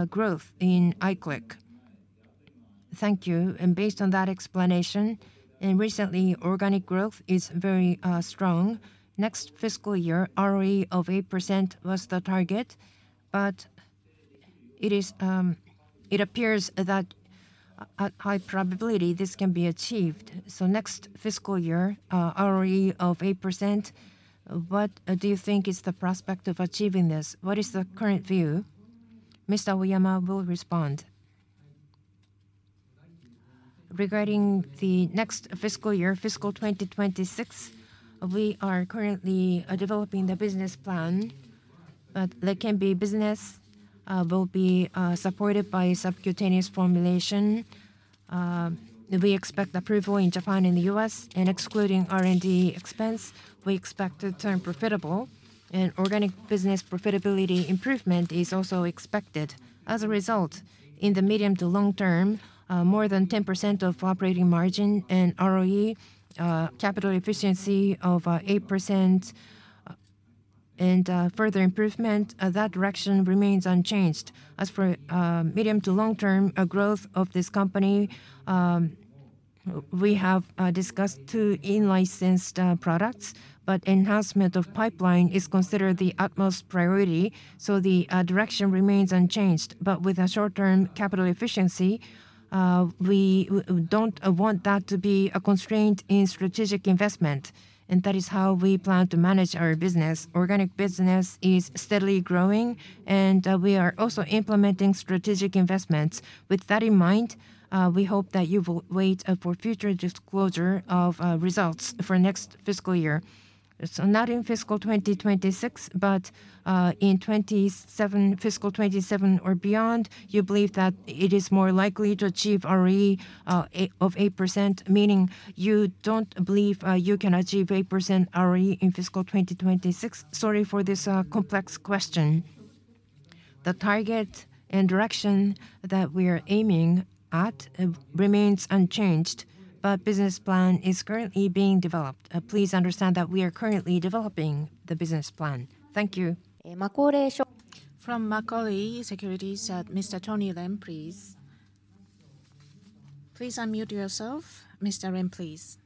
growth in LEQEMBI. Thank you. And based on that explanation, recently, organic growth is very strong. Next fiscal year, ROE of 8% was the target. But it appears that at high probability, this can be achieved. So next fiscal year, ROE of 8%, what do you think is the prospect of achieving this? What is the current view? Mr. Oyama will respond. Regarding the next fiscal year, fiscal 2026, we are currently developing the business plan. LEQEMBI business will be supported by subcutaneous formulation. We expect approval in Japan and the U.S. Excluding R&D expense, we expect to turn profitable. Organic business profitability improvement is also expected. As a result, in the medium to long term, more than 10% of operating margin and ROE, capital efficiency of 8%, and further improvement, that direction remains unchanged. As for medium to long-term growth of this company, we have discussed two in-licensed products, but enhancement of pipeline is considered the utmost priority. The direction remains unchanged. With a short-term capital efficiency, we don't want that to be a constraint in strategic investment. That is how we plan to manage our business. Organic business is steadily growing, and we are also implementing strategic investments. With that in mind, we hope that you will wait for future disclosure of results for next fiscal year. So not in fiscal 2026, but in fiscal 2027 or beyond, you believe that it is more likely to achieve ROE of 8%, meaning you don't believe you can achieve 8% ROE in fiscal 2026? Sorry for this complex question. The target and direction that we are aiming at remains unchanged, but business plan is currently being developed. Please understand that we are currently developing the business plan. Thank you. From Macquarie Securities, Mr. Tony Ren, please. Please unmute yourself. Mr. Ren, please.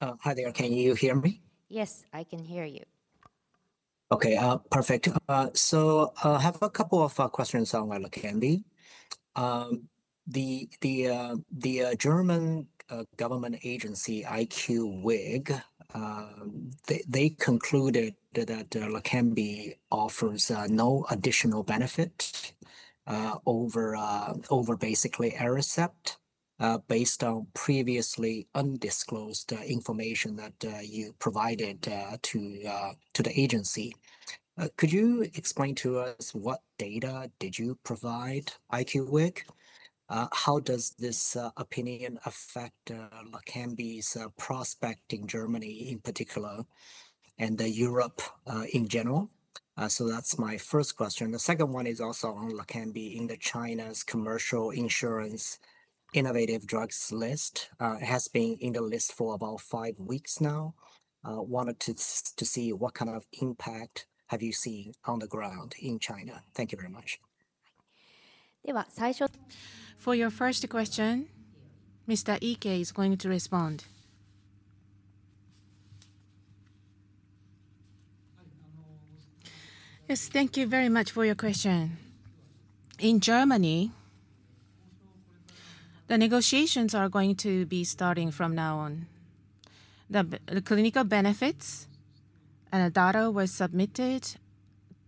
Hi there. Can you hear me? Yes, I can hear you. Okay. Perfect. So I have a couple of questions on LEQEMBI. The German government agency, IQWiG, they concluded that LEQEMBI offers no additional benefit over basically ARICEPT based on previously undisclosed information that you provided to the agency. Could you explain to us what data did you provide, IQWiG? How does this opinion affect LEQEMBI's prospect in Germany in particular and Europe in general? So that's my first question. The second one is also on LEQEMBI in China's commercial insurance innovative drugs list. It has been in the list for about five weeks now. Wanted to see what kind of impact have you seen on the ground in China? Thank you verymuch. For your first question, Mr. Iike is going to respond. Yes, thank you very much for your question. In Germany, the negotiations are going to be starting from now on. The clinical benefits and the data were submitted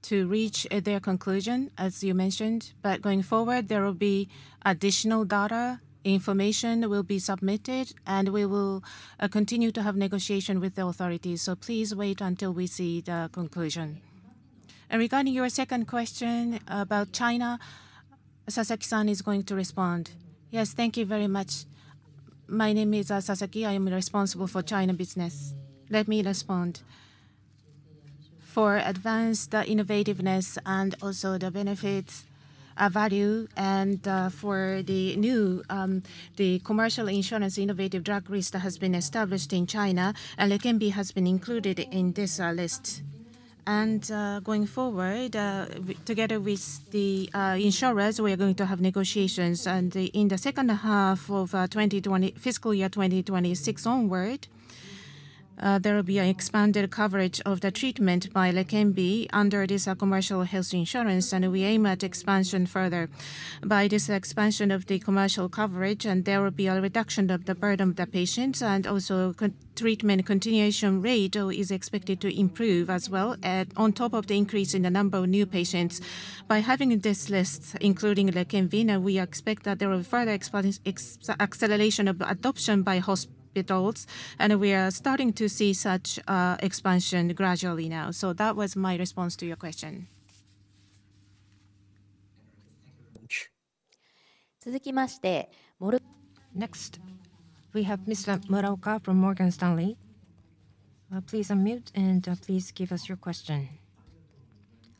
to reach their conclusion, as you mentioned. Going forward, there will be additional data, information will be submitted, and we will continue to have negotiation with the authorities. Please wait until we see the conclusion. Regarding your second question about China, Sasaki-san is going to respond. Yes, thank you very much. My name is Sasaki. I am responsible for China business. Let me respond. For advanced innovativeness and also the benefits, value, and for the new commercial insurance innovative drug list that has been established in China, and LEQEMBI has been included in this list. Going forward, together with the insurers, we are going to have negotiations. In the second half of fiscal year 2026 onward, there will be an expanded coverage of the treatment by LEQEMBI under this commercial health insurance. We aim at expansion further. By this expansion of the commercial coverage, there will be a reduction of the burden of the patients. Also treatment continuation rate is expected to improve as well on top of the increase in the number of new patients. By having this list, including LEQEMBI, we expect that there will be further acceleration of adoption by hospitals. We are starting to see such expansion gradually now. So that was my response to your question. Next, we have Mr. Muraoka from Morgan Stanley. Please unmute and please give us your question.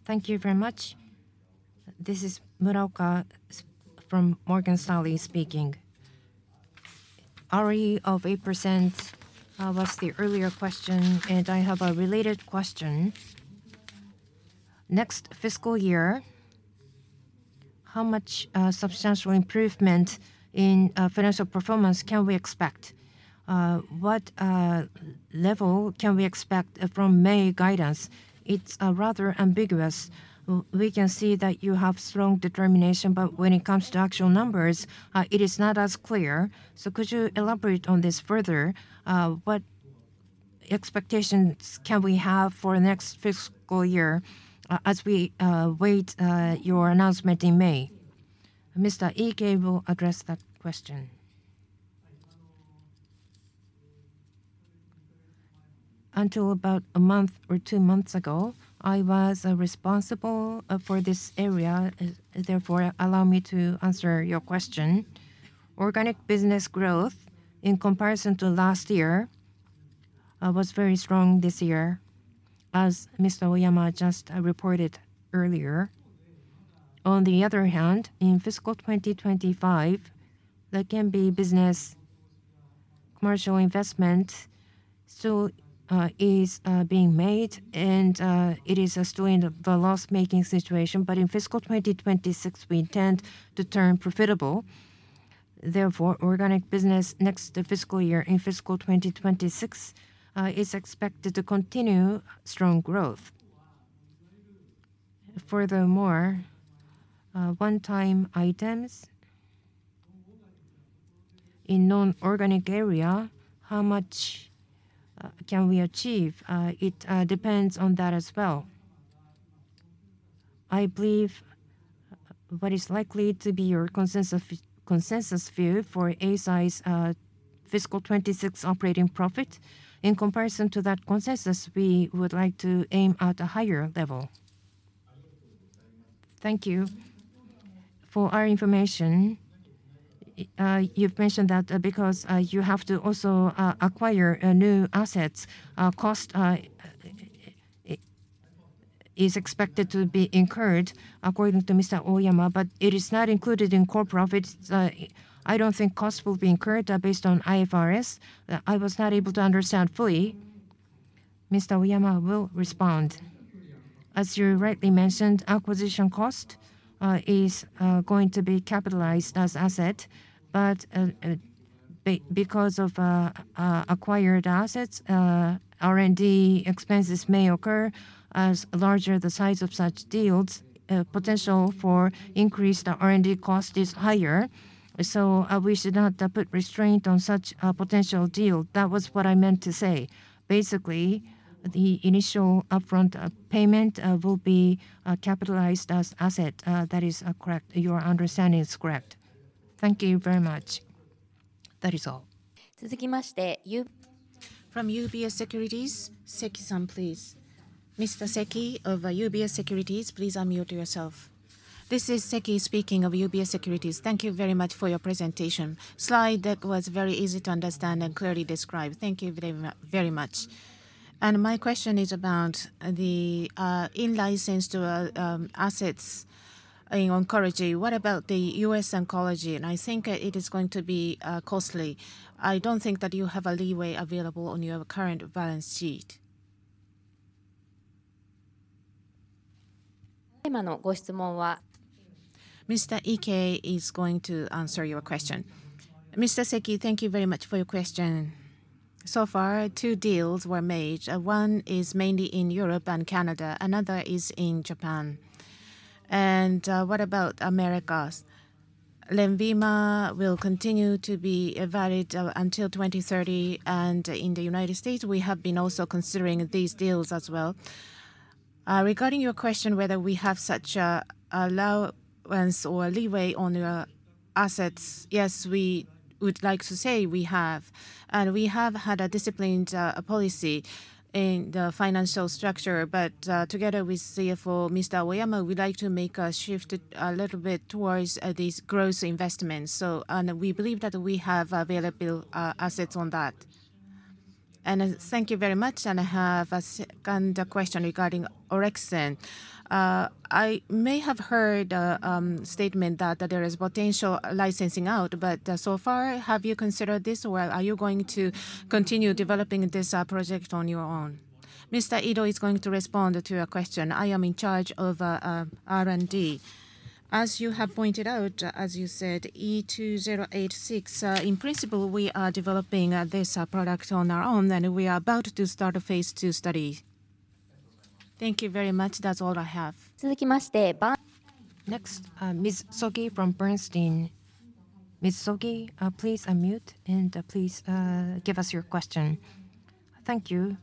Thank you very much. This is Muraoka from Morgan Stanley speaking. ROE of 8% was the earlier question, and I have a related question. Next fiscal year, how much substantial improvement in financial performance can we expect? What level can we expect from May guidance? It's rather ambiguous. We can see that you have strong determination, but when it comes to actual numbers, it is not as clear. So could you elaborate on this further? What expectations can we have for the next fiscal year as we wait your announcement in May? Mr. Iike will address that question. Until about a month or two months ago, I was responsible for this area. Therefore, allow me to answer your question. Organic business growth in comparison to last year was very strong this year, as Mr. Oyama just reported earlier. On the other hand, in fiscal 2025, LEQEMBI business commercial investment still is being made, and it is still in the loss-making situation. But in fiscal 2026, we intend to turn profitable. Therefore, organic business next fiscal year, in fiscal 2026, is expected to continue strong growth. Furthermore, one-time items in non-organic area, how much can we achieve? It depends on that as well. I believe what is likely to be your consensus view for Eisai's fiscal 2026 operating profit, in comparison to that consensus, we would like to aim at a higher level. Thank you. For your information, you've mentioned that because you have to also acquire new assets, cost is expected to be incurred, according to Mr. Oyama. But it is not included in core profits. I don't think cost will be incurred based on IFRS. I was not able to understand fully. Mr. Oyama will respond. As you rightly mentioned, acquisition cost is going to be capitalized as asset. But because of acquired assets, R&D expenses may occur. As larger the size of such deals, the potential for increased R&D cost is higher. So we should not put restraint on such a potential deal. That was what I meant to say. Basically, the initial upfront payment will be capitalized as asset. That is correct. Your understanding is correct. Thank you very much. That is all. From UBS Securities, Seki-san, please. Mr. Seki of UBS Securities, please unmute yourself. This is Seki speaking of UBS Securities. Thank you very much for your presentation. Slide that was very easy to understand and clearly described. Thank you very much. And my question is about the in-licensed assets in oncology. What about the U.S. oncology? And I think it is going to be costly. I don't think that you have a leeway available on your current balance sheet. Mr. Iike is going to answer your question. Mr. Seki, thank you very much for your question. So far, two deals were made. One is mainly in Europe and Canada. Another is in Japan. And what about America? LENVIMA will continue to be valid until 2030. In the United States, we have been also considering these deals as well. Regarding your question whether we have such a allowance or leeway on your assets, yes, we would like to say we have. We have had a disciplined policy in the financial structure. But together with CFO Mr. Oyama, we'd like to make a shift a little bit towards these growth investments. And we believe that we have available assets on that. And thank you very much. And I have a second question regarding Orexin. I may have heard a statement that there is potential licensing out, but so far, have you considered this? Or are you going to continue developing this project on your own? Mr. Ido is going to respond to your question. I am in charge of R&D. As you have pointed out, as you said, E2086, in principle, we are developing this product on our own. We are about to start a phase 2 study. Thank you very much. That's all I have. Next, Ms. Sogi from Bernstein. Ms. Sogi, please unmute and please give us your question. Thank you.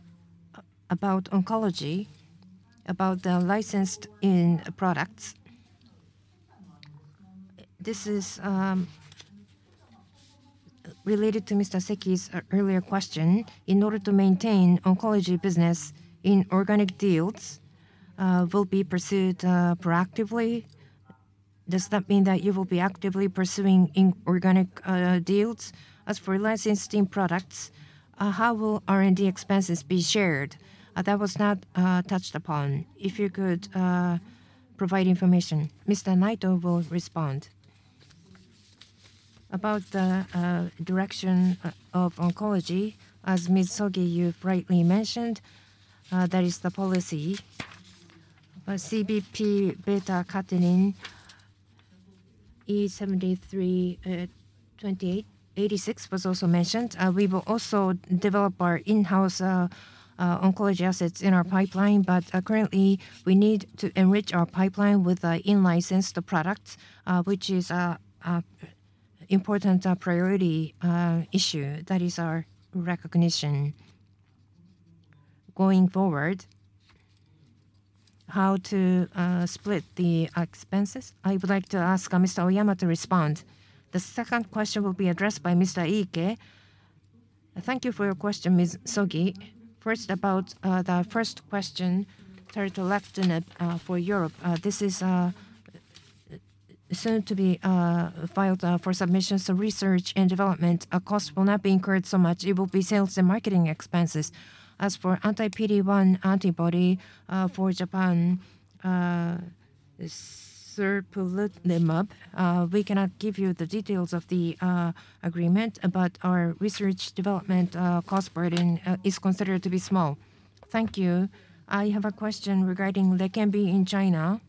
About oncology, about the licensed in products. This is related to Mr. Seki's earlier question. In order to maintain oncology business, inorganic deals will be pursued proactively? Does that mean that you will be actively pursuing organic deals? As for licensed in products, how will R&D expenses be shared? That was not touched upon. If you could provide information. Mr. Naito will respond. About the direction of oncology, as Ms. Sogi, you've rightly mentioned, that is the policy. CBP beta-catenin E7386 was also mentioned. We will also develop our in-house oncology assets in our pipeline. But currently, we need to enrich our pipeline with the in-licensed product, which is an important priority issue. That is our recognition. Going forward, how to split the expenses? I would like to ask Mr. Oyama to respond. The second question will be addressed by Mr. Iike. Thank you for your question, Ms. Sogi. First, about the first question, Taletrectinib for Europe. This is soon to be filed for submission. So research and development cost will not be incurred so much. It will be sales and marketing expenses. As for anti-PD-1 antibody for Japan, Serplulimab, we cannot give you the details of the agreement, but our research development cost burden is considered to be small. Thank you. I have a question regarding LEQEMBI in China.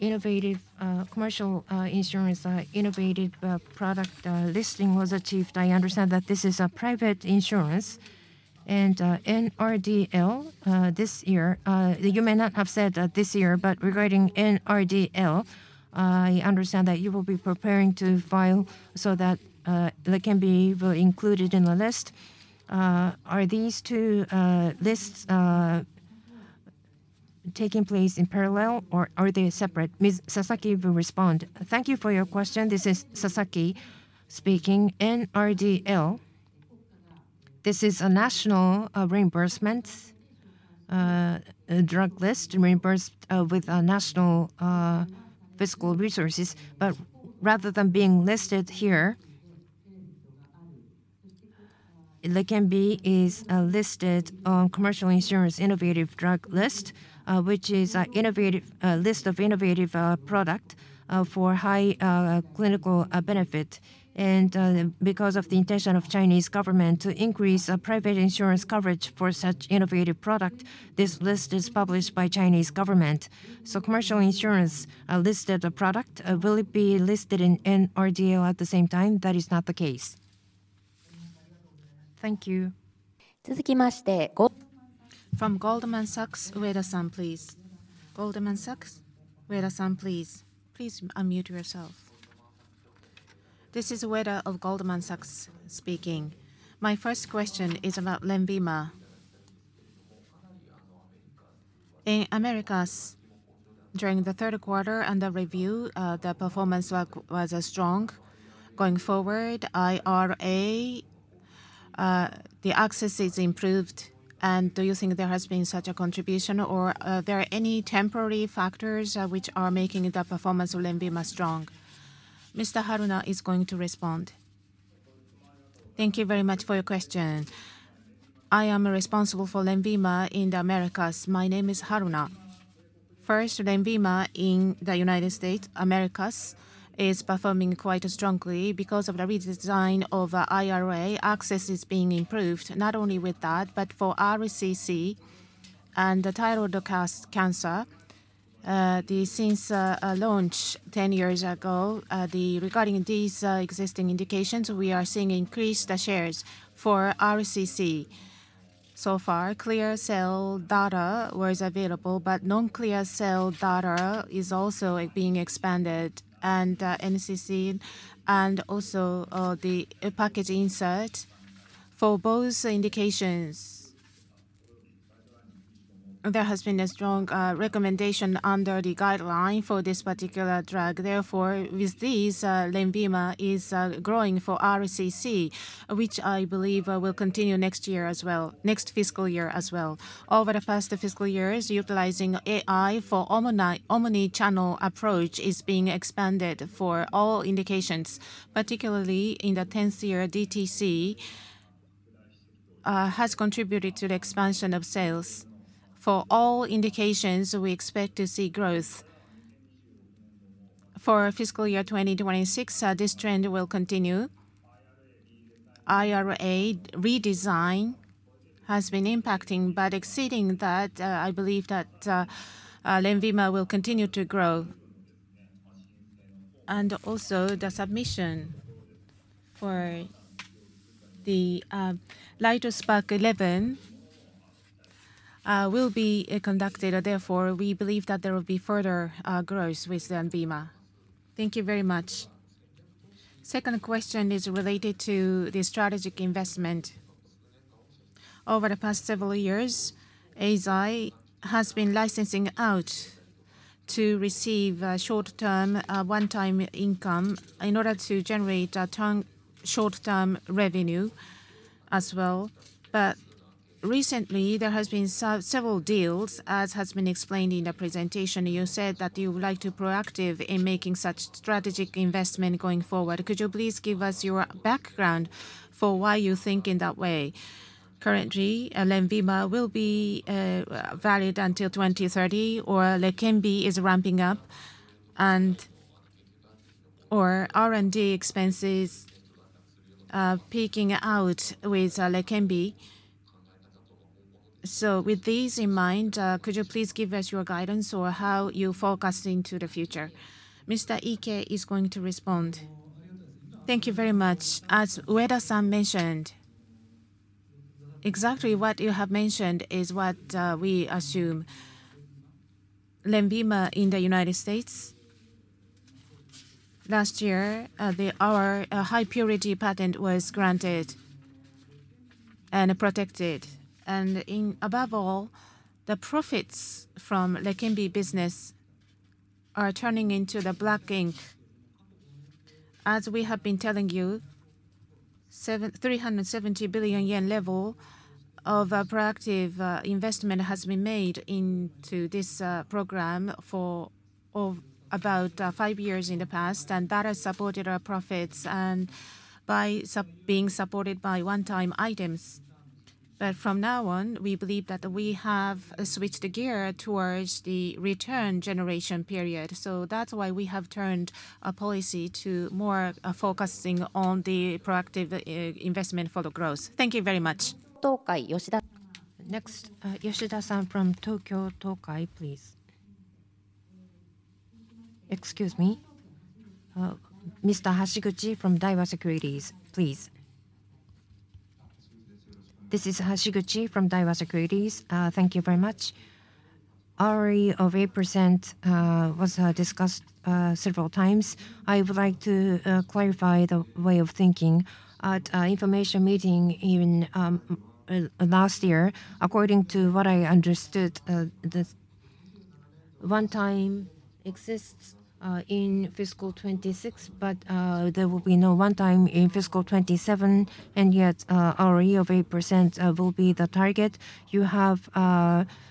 Innovative commercial insurance, innovative product listing was achieved. I understand that this is a private insurance. NRDL this year, you may not have said this year, but regarding NRDL, I understand that you will be preparing to file so that LEQEMBI will be included in the list. Are these two lists taking place in parallel or are they separate? Mr. Sasaki will respond. Thank you for your question. This is Sasaki speaking. NRDL, this is a national reimbursement drug list reimbursed with national fiscal resources. But rather than being listed here, LEQEMBI is listed on commercial insurance innovative drug list, which is a list of innovative products for high clinical benefit. And because of the intention of Chinese government to increase private insurance coverage for such innovative products, this list is published by Chinese government. So commercial insurance listed product will it be listed in NRDL at the same time? That is not the case. Thank you. From Goldman Sachs, Ueda-san, please. Goldman Sachs, Ueda-san, please. Please unmute yourself. This is Ueda of Goldman Sachs speaking. My first question is about LENVIMA. In America, during the third quarter revenue, the performance was strong. Going forward, IRA, the access is improved. And do you think there has been such a contribution or are there any temporary factors which are making the performance of LENVIMA strong? Mr. Haruna is going to respond. Thank you very much for your question. I am responsible for LENVIMA in the Americas. My name is Haruna. First, LENVIMA in the United States, Americas, is performing quite strongly. Because of the redesign of IRA, access is being improved, not only with that, but for RCC and thyroid cancer. Since launch 10 years ago, regarding these existing indications, we are seeing increased shares for RCC. So far, clear cell data was available, but non-clear cell data is also being expanded. And NCCN and also the package insert. For both indications, there has been a strong recommendation under the guideline for this particular drug. Therefore, with these, LENVIMA is growing for RCC, which I believe will continue next year as well, next fiscal year as well. Over the past fiscal years, utilizing AI for omnichannel approach is being expanded for all indications, particularly in the 10th year. DTC has contributed to the expansion of sales. For all indications, we expect to see growth. For fiscal year 2026, this trend will continue. IRA redesign has been impacting, but exceeding that, I believe that LENVIMA will continue to grow. And also, the submission for the LITESPARK-11 will be conducted. Therefore, we believe that there will be further growth with LENVIMA. Thank you very much. Second question is related to the strategic investment. Over the past several years, Eisai has been licensing out to receive short-term one-time income in order to generate short-term revenue as well. But recently, there have been several deals, as has been explained in the presentation. You said that you would like to be proactive in making such strategic investment going forward. Could you please give us your background for why you think in that way? Currently, LENVIMA will be valid until 2030 or LEQEMBI is ramping up or R&D expenses peaking out with LEQEMBI. So with these in mind, could you please give us your guidance or how you focus into the future? Mr. Iike is going to respond. Thank you very much. As Ueda-san mentioned, exactly what you have mentioned is what we assume. LEQEMBI in the United States, last year, our high purity patent was granted and protected. Above all, the profits from LEQEMBI business are turning into the black ink. As we have been telling you, 370 billion yen level of proactive investment has been made into this program for about five years in the past. That has supported our profits and by being supported by one-time items. But from now on, we believe that we have switched the gear towards the return generation period. That's why we have turned a policy to more focusing on the proactive investment for the growth. Thank you very much. Next, Yoshida-san from Tokai Tokyo, please. Excuse me. Mr. Hashiguchi from Daiwa Securities, please. This is Hashiguchi from Daiwa Securities. Thank you very much. ROE of 8% was discussed several times. I would like to clarify the way of thinking. At the information meeting last year, according to what I understood, the one-time exists in fiscal 2026, but there will be no one-time in fiscal 2027. And yet, ROE of 8% will be the target. You have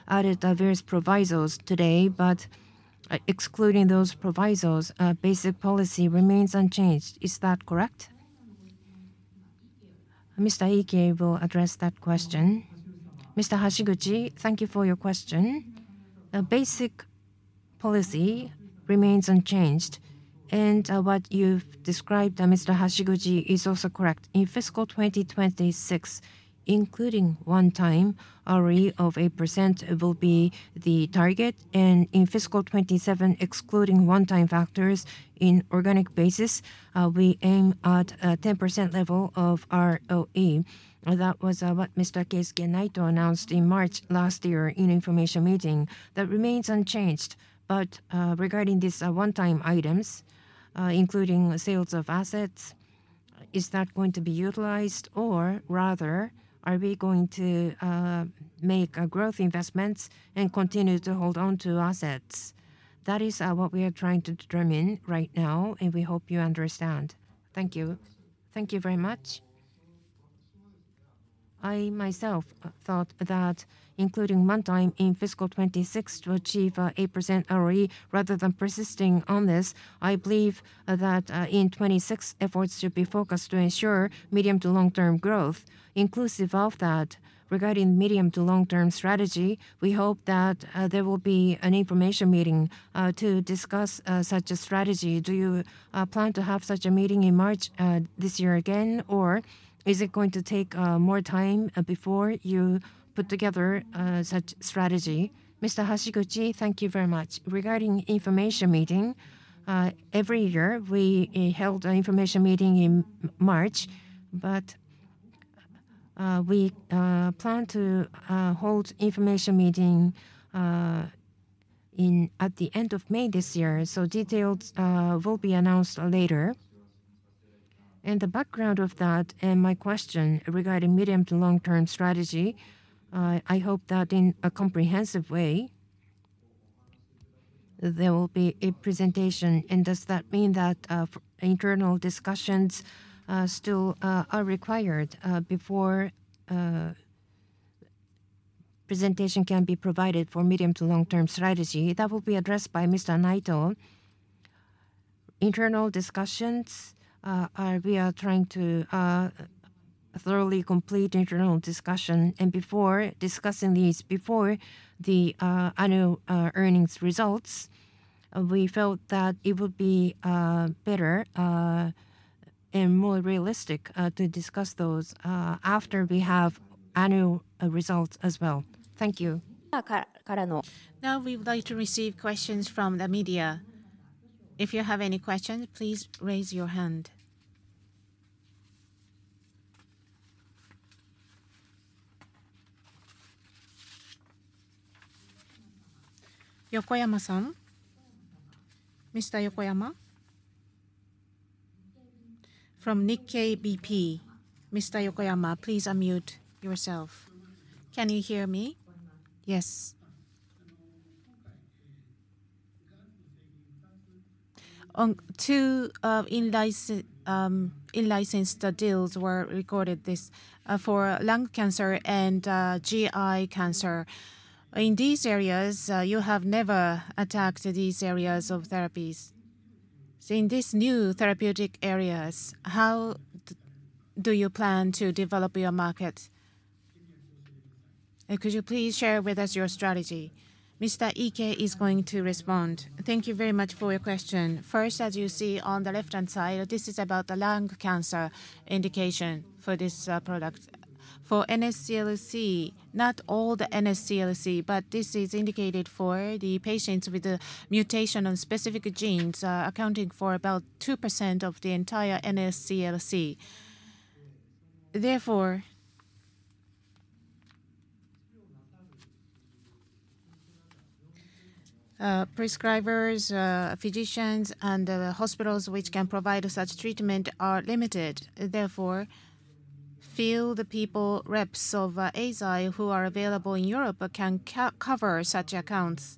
added various provisions today. But excluding those provisions, basic policy remains unchanged. Is that correct? Mr. Iike will address that question. Mr. Hashiguchi, thank you for your question. Basic policy remains unchanged. And what you've described, Mr. Hashiguchi, is also correct. In fiscal 2026, including one-time, ROE of 8% will be the target. And in fiscal 2027, excluding one-time factors on an organic basis, we aim at a 10% level of ROE. That was what Mr. Keisuke Naito announced in March last year in the information meeting. That remains unchanged. But regarding these one-time items, including sales of assets, is that going to be utilized? Or rather, are we going to make growth investments and continue to hold on to assets? That is what we are trying to determine right now. And we hope you understand. Thank you. Thank you very much. I myself thought that including one-time in fiscal 2026 to achieve 8% ROE rather than persisting on this, I believe that in 2026, efforts should be focused to ensure medium to long-term growth. Inclusive of that, regarding medium to long-term strategy, we hope that there will be an information meeting to discuss such a strategy. Do you plan to have such a meeting in March this year again? Or is it going to take more time before you put together such strategy? Mr. Hashiguchi, thank you very much. Regarding information meeting, every year, we held an information meeting in March. But we plan to hold information meeting at the end of May this year. So details will be announced later. And the background of that and my question regarding medium to long-term strategy, I hope that in a comprehensive way, there will be a presentation. And does that mean that internal discussions still are required before a presentation can be provided for medium to long-term strategy? That will be addressed by Mr. Naito. Internal discussions, we are trying to thoroughly complete internal discussion. And before discussing these, before the annual earnings results, we felt that it would be better and more realistic to discuss those after we have annual results as well. Thank you. Now we would like to receive questions from the media. If you have any questions, please raise your hand. Mr. Yokoyama from Nikkei BP, Mr. Yokoyama, please unmute yourself. Can you hear me? Yes. Two in-licensed deals were recorded for lung cancer and GI cancer. In these areas, you have never attacked these areas of therapies. So in these new therapeutic areas, how do you plan to develop your market? Could you please share with us your strategy? Mr. Iike is going to respond. Thank you very much for your question. First, as you see on the left-hand side, this is about the lung cancer indication for this product. For NSCLC, not all the NSCLC, but this is indicated for the patients with mutation on specific genes accounting for about 2% of the entire NSCLC. Therefore, prescribers, physicians, and hospitals which can provide such treatment are limited. Therefore, field people, reps of ASI who are available in Europe can cover such accounts.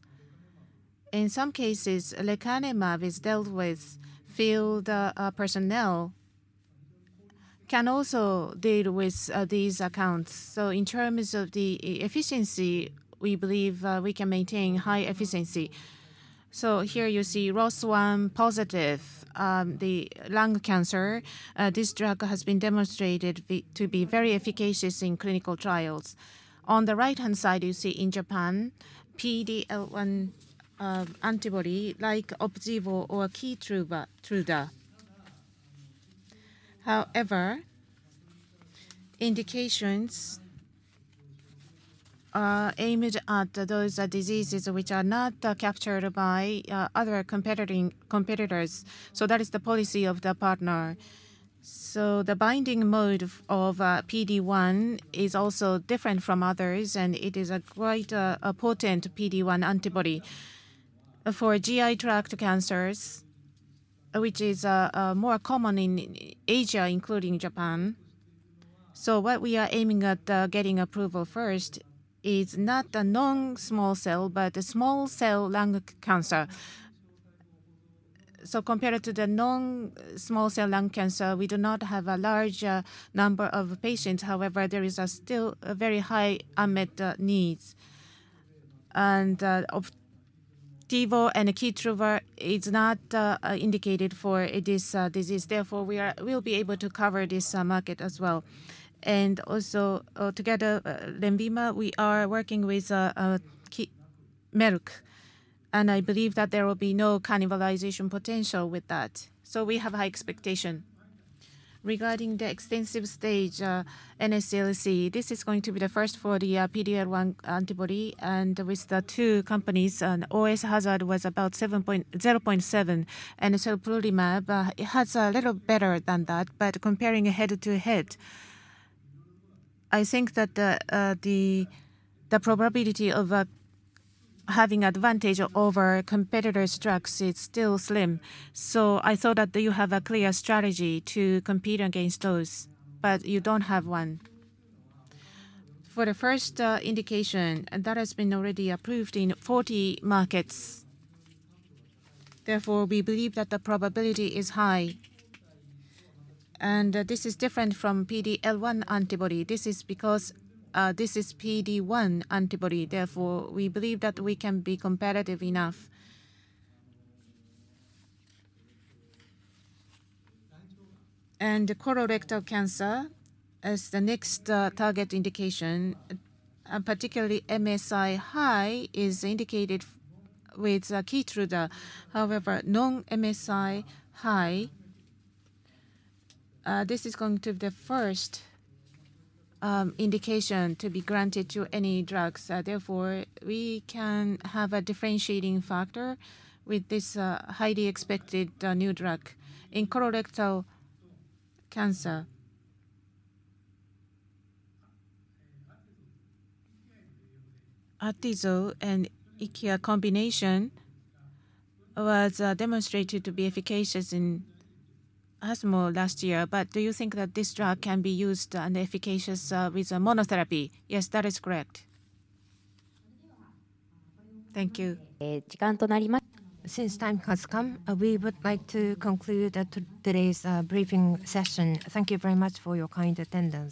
In some cases, lecanemab is dealt with. Field personnel can also deal with these accounts. So in terms of the efficiency, we believe we can maintain high efficiency. So here you see ROS1-positive, the lung cancer. This drug has been demonstrated to be very efficacious in clinical trials. On the right-hand side, you see in Japan, PD-L1 antibody like OPDIVO or KEYTRUDA. However, indications are aimed at those diseases which are not captured by other competitors. So that is the policy of the partner. So the binding mode of PD-1 is also different from others. And it is a quite potent PD-1 antibody for GI tract cancers, which is more common in Asia, including Japan. So what we are aiming at getting approval for first is not the non-small cell, but the small cell lung cancer. So compared to the non-small cell lung cancer, we do not have a large number of patients. However, there is still a very high unmet needs. OPDIVO and KEYTRUDA are not indicated for this disease. Therefore, we will be able to cover this market as well. And also together, LENVIMA, we are working with Merck. And I believe that there will be no cannibalization potential with that. So we have high expectation. Regarding the extensive stage NSCLC, this is going to be the first for the PD-L1 antibody. And with the two companies, OS Hazard was about 0.7. And so Serplulimab, it has a little better than that. But comparing head-to-head, I think that the probability of having advantage over competitors' drugs, it's still slim. So I thought that you have a clear strategy to compete against those. But you don't have one. For the first indication, that has been already approved in 40 markets. Therefore, we believe that the probability is high. And this is different from PD-L1 antibody. This is because this is PD-1 antibody. Therefore, we believe that we can be competitive enough. Colorectal cancer is the next target indication. Particularly, MSI-High is indicated with KEYTRUDA. However, non-MSI-High, this is going to be the first indication to be granted to any drugs. Therefore, we can have a differentiating factor with this highly expected new drug. In colorectal cancer, TECENTRIQ and IMFINZI combination was demonstrated to be efficacious in ESMO last year. But do you think that this drug can be used and efficacious with monotherapy? Yes, that is correct. Thank you. Since time has come, we would like to conclude today's briefing session. Thank you very much for your kind attendance.